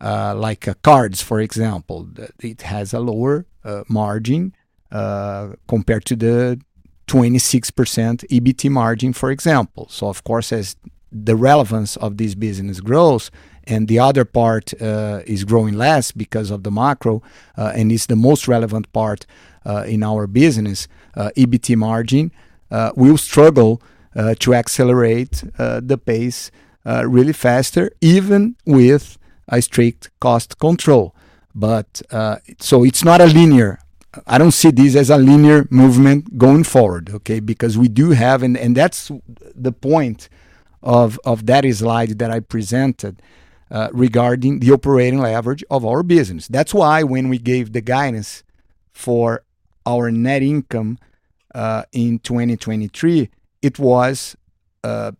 like cards, for example, it has a lower margin compared to the 26% EBT margin, for example. So of course, as the relevance of this business grows, and the other part is growing less because of the macro, and it's the most relevant part in our business, EBT margin will struggle to accelerate the pace really faster, even with a strict cost control. But so it's not a linear... I don't see this as a linear movement going forward, okay? Because we do have... And that's the point of that slide that I presented regarding the operating leverage of our business. That's why when we gave the guidance for our net income in 2023, it was a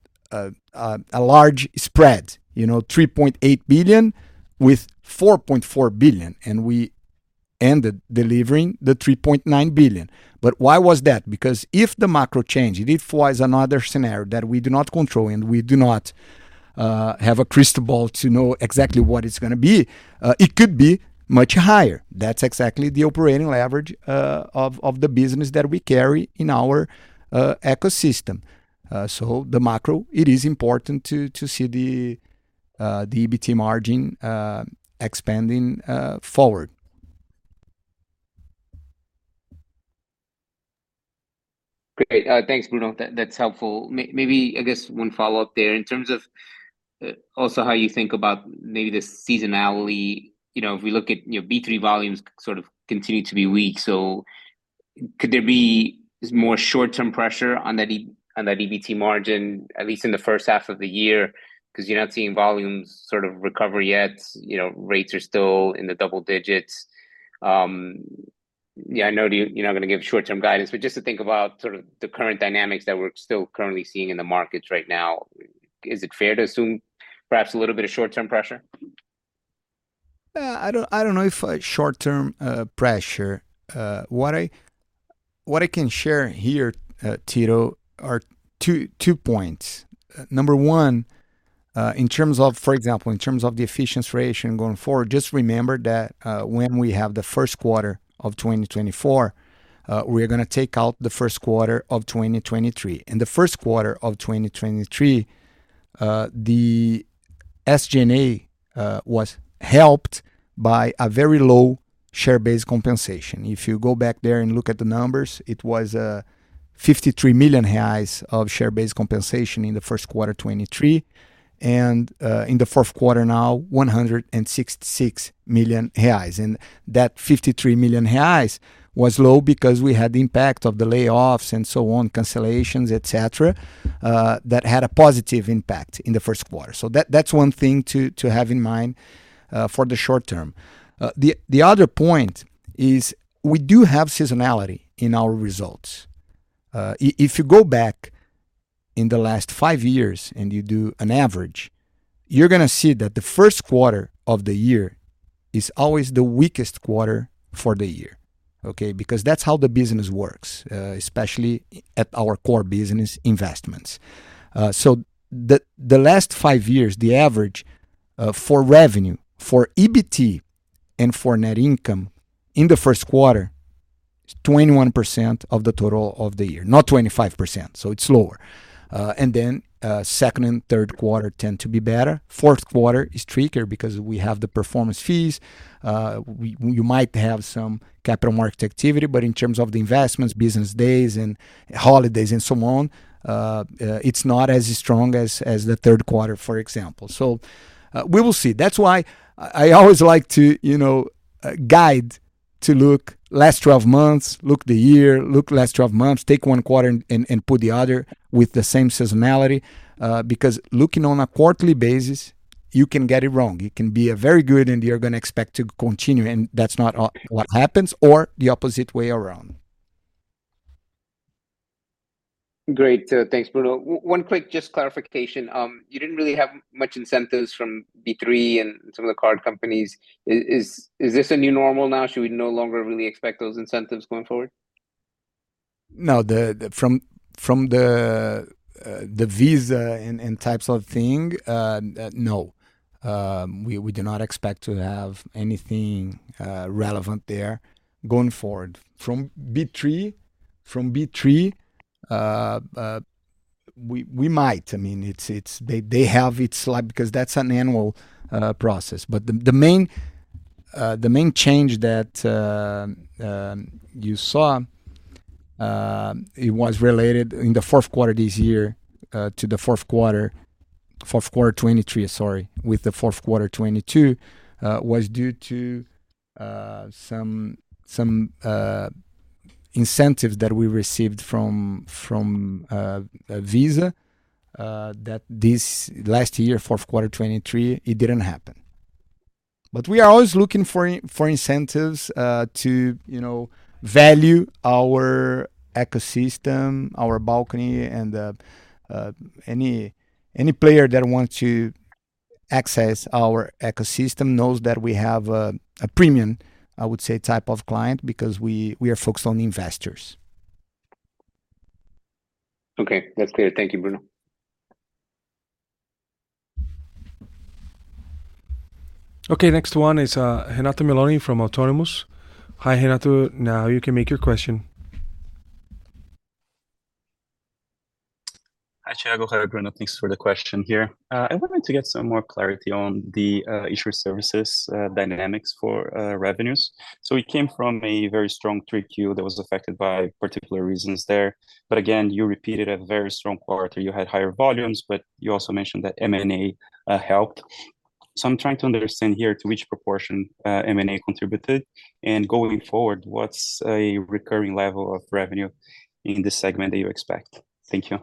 large spread. You know, 3.8 billion with 4.4 billion, and we ended delivering the 3.9 billion. But why was that? Because if the macro changed, it was another scenario that we do not control, and we do not have a crystal ball to know exactly what it's gonna be. It could be much higher. That's exactly the operating leverage of the business that we carry in our ecosystem. So the macro, it is important to see the EBT margin expanding forward.
Great. Thanks, Bruno. That's helpful. Maybe, I guess one follow-up there in terms of also how you think about maybe the seasonality. You know, if we look at, you know, B3 volumes sort of continue to be weak, so could there be more short-term pressure on that EBT margin, at least in the first half of the year? Because you're not seeing volumes sort of recover yet, you know, rates are still in the double digits. Yeah, I know you're not gonna give short-term guidance, but just to think about sort of the current dynamics that we're still currently seeing in the markets right now, is it fair to assume perhaps a little bit of short-term pressure?
I don't know if short-term pressure. What I can share here, Tito, are two points. Number one, in terms of, for example, in terms of the efficiency ratio going forward, just remember that, when we have the first quarter of 2024, we're gonna take out the first quarter of 2023. In the first quarter of 2023, the SG&A was helped by a very low share-based compensation. If you go back there and look at the numbers, it was 53 million reais of share-based compensation in the first quarter 2023, and, in the fourth quarter, now 166 million reais. And that 53 million reais was low because we had the impact of the layoffs and so on, cancellations, et cetera, that had a positive impact in the first quarter. So that's one thing to have in mind for the short term. The other point is we do have seasonality in our results. If you go back in the last five years and you do an average, you're gonna see that the first quarter of the year is always the weakest quarter for the year, okay? Because that's how the business works, especially at our core business investments. So the last five years, the average for revenue, for EBT, and for net income in the first quarter is 21% of the total of the year, not 25%, so it's lower. And then, second and third quarter tend to be better. Fourth quarter is trickier because we have the performance fees. We—you might have some capital market activity, but in terms of the investments, business days and holidays and so on, it's not as strong as the third quarter, for example. So, we will see. That's why I always like to, you know, guide to look last twelve months, look the year, look last twelve months, take one quarter and put the other with the same seasonality. Because looking on a quarterly basis, you can get it wrong. It can be a very good, and you're gonna expect to continue, and that's not what happens, or the opposite way around.
Great. Thanks, Bruno. One quick just clarification. You didn't really have much incentives from B3 and some of the card companies. Is this a new normal now? Should we no longer really expect those incentives going forward?
No, the... From the Visa and types of thing, no. We do not expect to have anything relevant there going forward. From B3... from B3, we might. I mean, it's, they have it slight because that's an annual process. But the main change that you saw, it was related in the fourth quarter this year to the fourth quarter 2023, sorry, with the fourth quarter 2022, was due to some incentives that we received from Visa, that this last year, fourth quarter 2023, it didn't happen. But we are always looking for incentives to, you know, value our ecosystem, our Balcão, and any player that wants to access our ecosystem knows that we have a premium, I would say, type of client, because we are focused on investors.
Okay, that's clear. Thank you, Bruno.
Okay, next one is Renato Meloni from Autonomous. Hi, Renato. Now you can make your question.
Hi, Thiago. Hi, Bruno. Thanks for the question here. I wanted to get some more clarity on the Issuer Services dynamics for revenues. So we came from a very strong 3Q that was affected by particular reasons there, but again, you repeated a very strong quarter. You had higher volumes, but you also mentioned that M&A helped. So I'm trying to understand here to which proportion M&A contributed, and going forward, what's a recurring level of revenue in this segment that you expect? Thank you.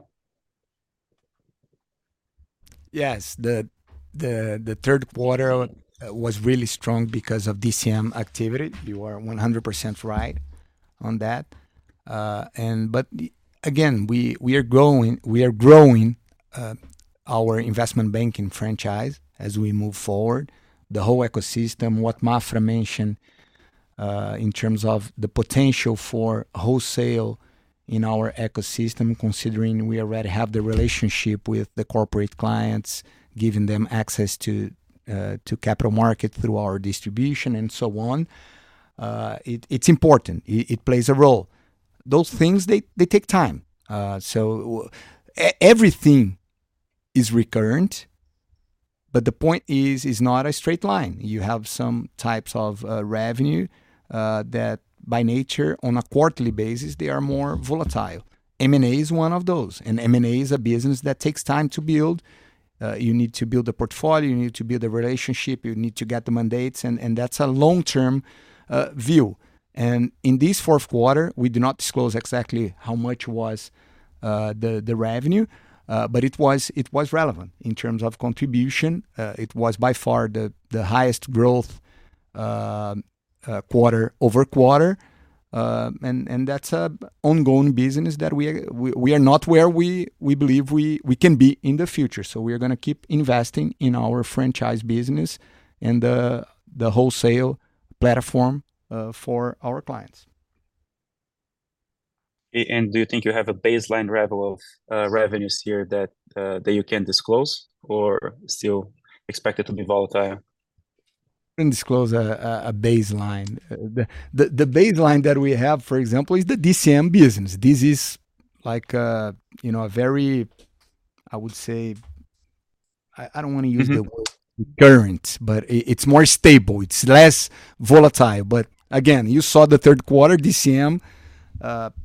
Yes, the third quarter was really strong because of DCM activity. You are 100% right on that. But again, we are growing our investment banking franchise as we move forward, the whole ecosystem. What Maffra mentioned in terms of the potential for wholesale in our ecosystem, considering we already have the relationship with the Corporate clients, giving them access to capital market through our distribution and so on, it's important. It plays a role. Those things take time. So everything is recurrent, but the point is, it's not a straight line. You have some types of revenue that by nature, on a quarterly basis, they are more volatile. M&A is one of those, and M&A is a business that takes time to build. You need to build a portfolio, you need to build a relationship, you need to get the mandates, and that's a long-term view. In this fourth quarter, we do not disclose exactly how much was the revenue, but it was relevant in terms of contribution. It was by far the highest growth quarter-over-quarter. And that's a ongoing business that we are. We are not where we believe we can be in the future. So we are gonna keep investing in our franchise business and the wholesale platform for our clients.
Do you think you have a baseline level of revenues here that you can disclose or still expect it to be volatile?
I can disclose a baseline. The baseline that we have, for example, is the DCM business. This is like a, you know, a very, I would say... I don't wanna use-
Mm-hmm...
the word recurrent, but it, it's more stable, it's less volatile. But again, you saw the third quarter, DCM,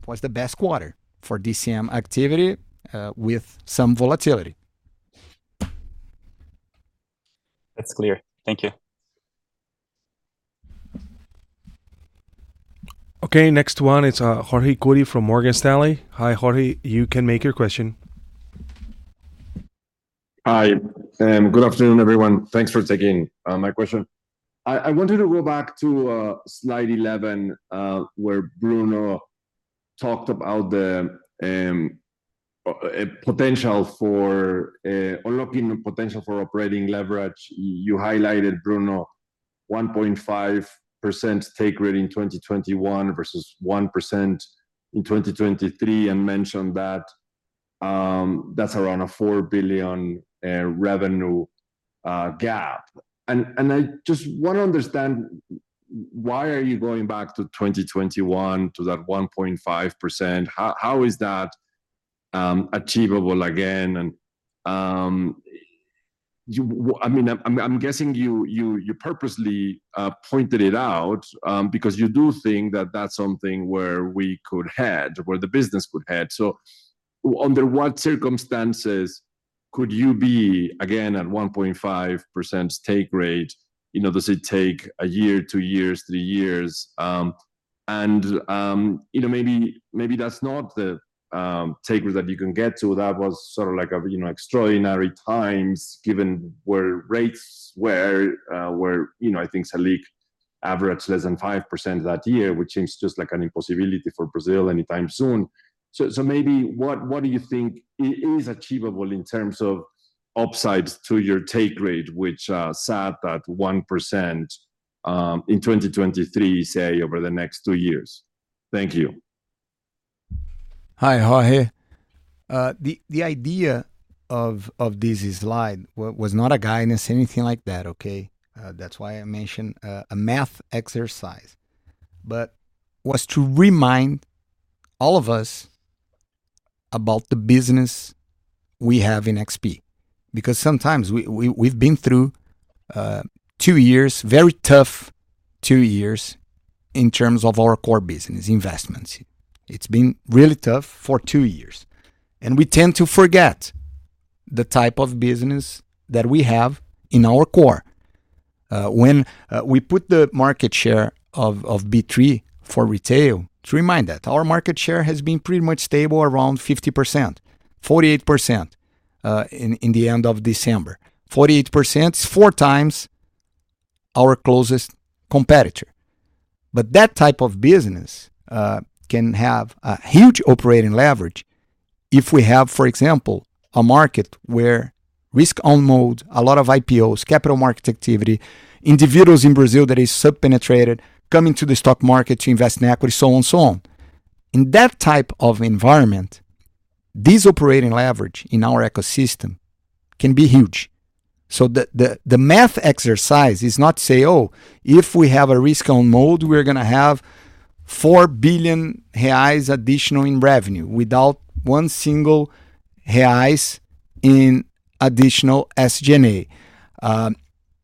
was the best quarter for DCM activity, with some volatility.
That's clear. Thank you.
Okay, next one is, Jorge Kuri from Morgan Stanley. Hi, Jorge. You can make your question.
Hi, good afternoon, everyone. Thanks for taking my question. I wanted to go back to slide 11, where Bruno talked about the potential for unlocking the potential for operating leverage. You highlighted, Bruno, 1.5% take rate in 2021 versus 1% in 2023, and mentioned that that's around a $4 billion revenue gap. And I just wanna understand, why are you going back to 2021, to that 1.5%? How is that achievable again? And you... I mean, I'm guessing you purposely pointed it out because you do think that that's something where we could head, where the business could head. So under what circumstances could you be again at 1.5% take rate? You know, does it take a year, two years, three years? And you know, maybe, maybe that's not the take rate that you can get to. That was sort of like a, you know, extraordinary times, given where rates were, were, you know, I think Selic averaged less than 5% that year, which seems just like an impossibility for Brazil anytime soon. So maybe what do you think is achievable in terms of upsides to your take rate, which sat at 1% in 2023, say, over the next two years? Thank you.
Hi, Jorge. The idea of this slide was not a guidance, anything like that, okay? That's why I mentioned a math exercise, but was to remind all of us about the business we have in XP. Because sometimes we've been through two years, very tough two years in terms of our core business, investments. It's been really tough for two years, and we tend to forget the type of business that we have in our core. When we put the market share of B3 for retail, to remind that our market share has been pretty much stable around 50%, 48%, in the end of December. 48% is four times our closest competitor. But that type of business can have a huge operating leverage if we have, for example, a market where risk-on mode, a lot of IPOs, capital market activity, individuals in Brazil that is sub-penetrated, coming to the stock market to invest in equity, so on, so on. In that type of environment, this operating leverage in our ecosystem can be huge. So the math exercise is not say, "Oh, if we have a risk-on mode, we're gonna have 4 billion reais additional in revenue without one single BRL in additional SG&A."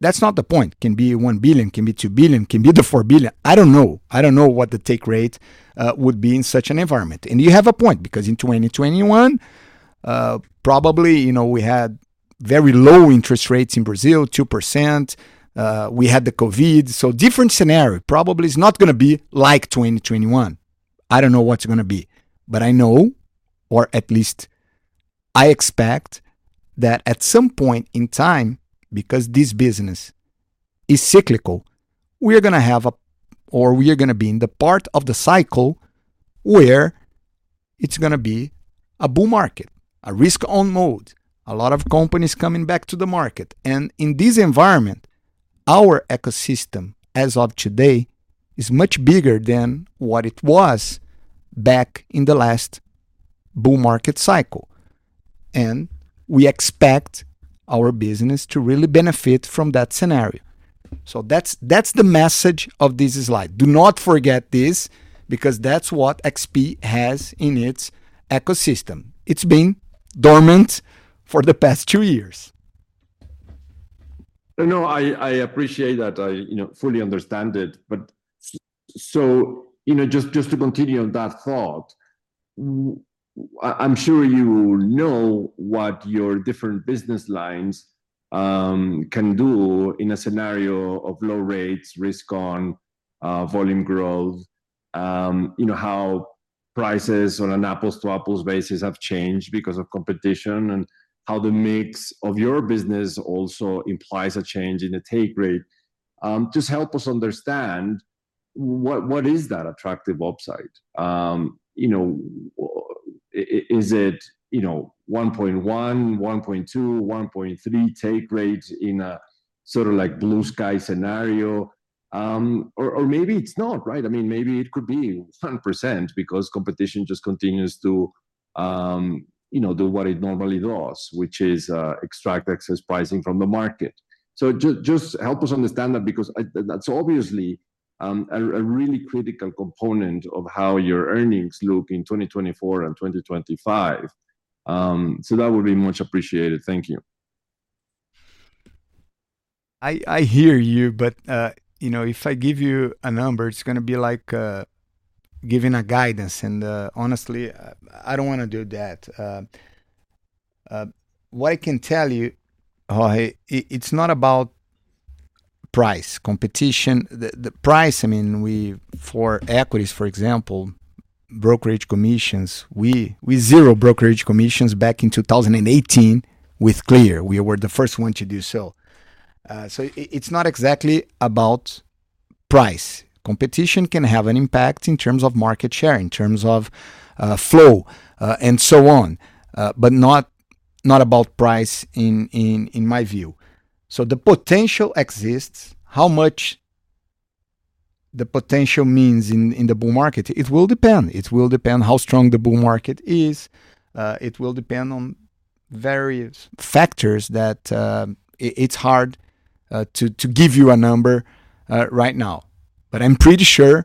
That's not the point. Can be 1 billion, can be 2 billion, can be the 4 billion. I don't know. I don't know what the take rate would be in such an environment. And you have a point, because in 2021, probably, you know, we had very low interest rates in Brazil, 2%, we had the COVID. So different scenario. Probably is not gonna be like 2021. I don't know what it's gonna be, but I know, or at least I expect, that at some point in time, because this business is cyclical, we are gonna have or we are gonna be in the part of the cycle where it's gonna be a bull market, a risk-on mode, a lot of companies coming back to the market. And in this environment, our ecosystem, as of today, is much bigger than what it was back in the last bull market cycle, and we expect our business to really benefit from that scenario. So that's, that's the message of this slide. Do not forget this, because that's what XP has in its ecosystem. It's been dormant for the past two years.
No, I appreciate that. I, you know, fully understand it. But so, you know, just to continue on that thought, I, I'm sure you know what your different business lines can do in a scenario of low rates, risk-on, volume growth, you know, how prices on an apples-to-apples basis have changed because of competition, and how the mix of your business also implies a change in the take rate. Just help us understand, what is that attractive upside? You know, is it, you know, 1.1, 1.2, 1.3 take rates in a sort of like blue sky scenario? Or maybe it's not, right? I mean, maybe it could be 7% because competition just continues to, you know, do what it normally does, which is extract excess pricing from the market. So just help us understand that because that's obviously a really critical component of how your earnings look in 2024 and 2025. So that would be much appreciated. Thank you.
I hear you, but, you know, if I give you a number, it's gonna be like, giving a guidance, and, honestly, I don't wanna do that. What I can tell you, Jorge, it's not about price, competition. The price, I mean, we-- for equities, for example, brokerage commissions, we zero brokerage commissions back in 2018 with Clear. We were the first one to do so. So it's not exactly about price. Competition can have an impact in terms of market share, in terms of flow, and so on, but not about price in my view. So the potential exists. How much the potential means in the bull market? It will depend. It will depend how strong the bull market is. It will depend on various factors that. It's hard to give you a number right now, but I'm pretty sure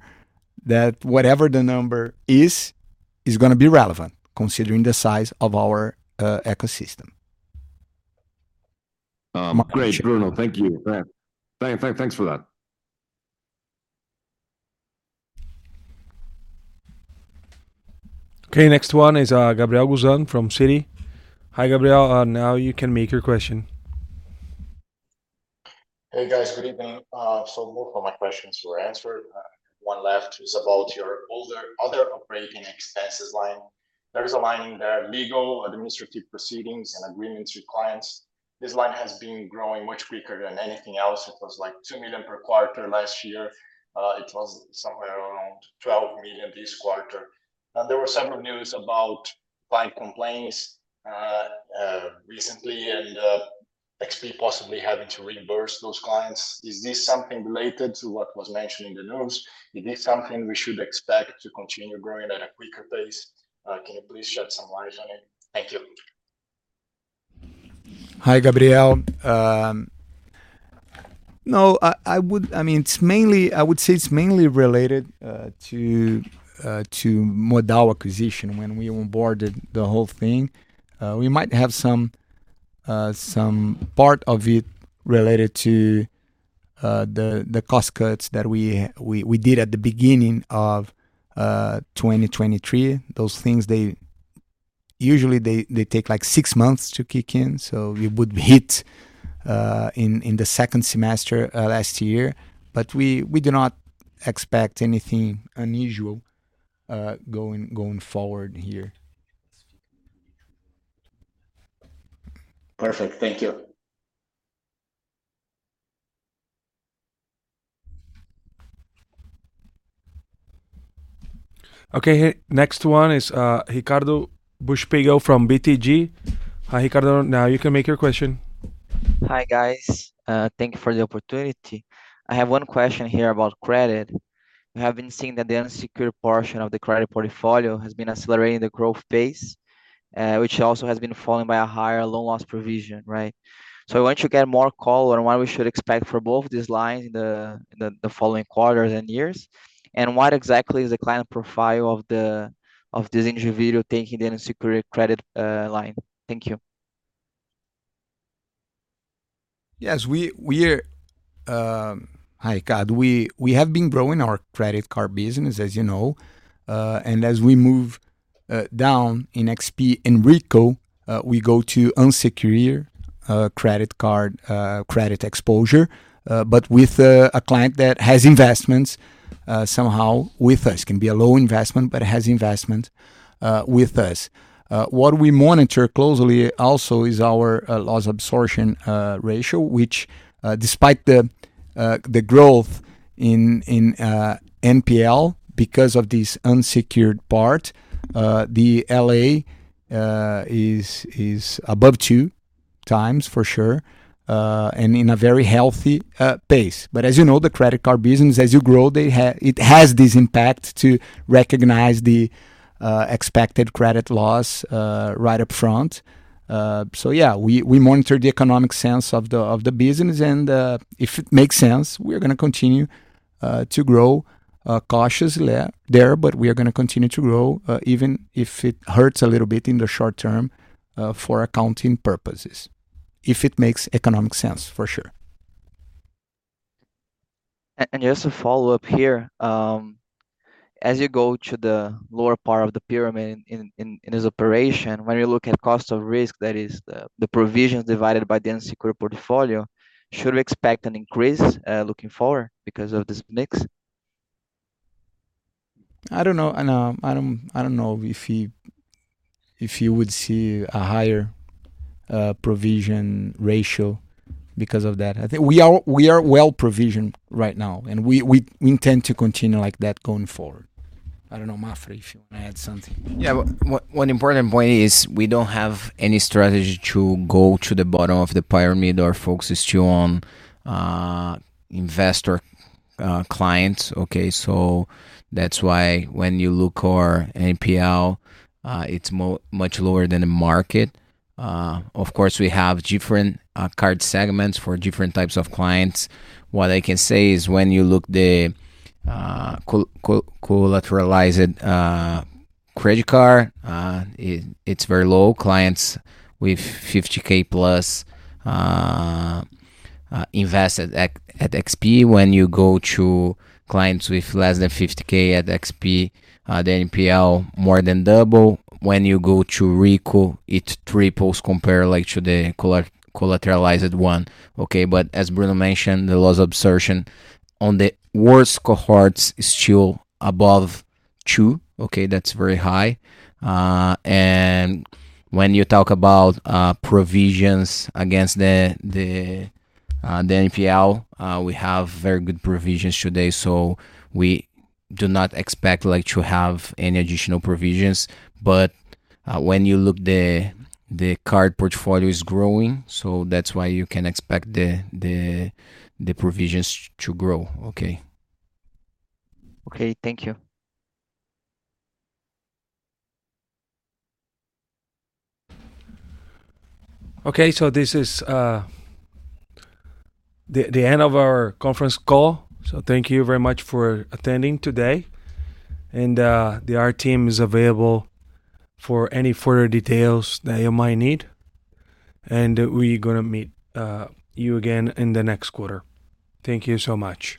that whatever the number is, it's gonna be relevant, considering the size of our ecosystem.
Great, Bruno. Thank you. Thanks for that.
Okay, next one is, Gabriel Gusan from Citi. Hi, Gabriel, now you can make your question.
Hey, guys. Good evening. So most of my questions were answered. One left is about your other, other operating expenses line. There is a line in there, legal, administrative proceedings, and agreements with clients. This line has been growing much quicker than anything else. It was, like, 2 million per quarter last year. It was somewhere around 12 million this quarter. And there were several news about client complaints.... recently, and, XP possibly having to reimburse those clients. Is this something related to what was mentioned in the news? Is this something we should expect to continue growing at a quicker pace? Can you please shed some light on it? Thank you.
Hi, Gabriel. No, I would—I mean, it's mainly—I would say it's mainly related to Modal acquisition when we onboarded the whole thing. We might have some part of it related to the cost cuts that we did at the beginning of 2023. Those things usually take, like, six months to kick in, so we would hit in the second semester last year. But we do not expect anything unusual going forward here.
Perfect. Thank you.
Okay, next one is, Ricardo Buchpiguel from BTG. Hi, Ricardo. Now you can make your question.
Hi, guys. Thank you for the opportunity. I have one question here about credit. We have been seeing that the unsecured portion of the credit portfolio has been accelerating the growth pace, which also has been followed by a higher loan loss provision, right? So I want to get more color on what we should expect for both these lines in the following quarters and years, and what exactly is the client profile of this individual taking the unsecured credit line? Thank you.
Yes, we're. Hi, Ricardo. We have been growing our credit card business, as you know. And as we move down in XP and Rico, we go to unsecured credit card credit exposure, but with a client that has investments somehow with us. It can be a low investment, but it has investment with us. What we monitor closely also is our loss absorption ratio, which despite the growth in NPL, because of this unsecured part, the LA is above two times for sure, and in a very healthy pace. But as you know, the credit card business, as you grow, it has this impact to recognize the expected credit loss right up front. So yeah, we monitor the economic sense of the business, and if it makes sense, we're gonna continue to grow cautiously there, but we are gonna continue to grow even if it hurts a little bit in the short term for accounting purposes. If it makes economic sense, for sure.
And just to follow up here, as you go to the lower part of the pyramid in this operation, when you look at cost of risk, that is the provisions divided by the unsecured portfolio, should we expect an increase looking forward because of this mix?
I don't know, and I don't know if you would see a higher provision ratio because of that. I think we are well provisioned right now, and we intend to continue like that going forward. I don't know, Maffra, if you want to add something.
Yeah. One important point is we don't have any strategy to go to the bottom of the pyramid. Our focus is still on investor clients, okay? So that's why when you look our NPL, it's much lower than the market. Of course, we have different card segments for different types of clients. What I can say is when you look the collateralized credit card, it's very low. Clients with 50,000+ invested at XP. When you go to clients with less than 50,000 at XP, the NPL more than double. When you go to Rico, it triples compared, like, to the collateralized one, okay? But as Bruno mentioned, the loss absorption on the worst cohorts is still above two, okay? That's very high. When you talk about provisions against the NPL, we have very good provisions today, so we do not expect, like, to have any additional provisions. When you look, the card portfolio is growing, so that's why you can expect the provisions to grow. Okay.
Okay. Thank you.
Okay, so this is the end of our conference call. So thank you very much for attending today, and our team is available for any further details that you might need, and we're gonna meet you again in the next quarter. Thank you so much.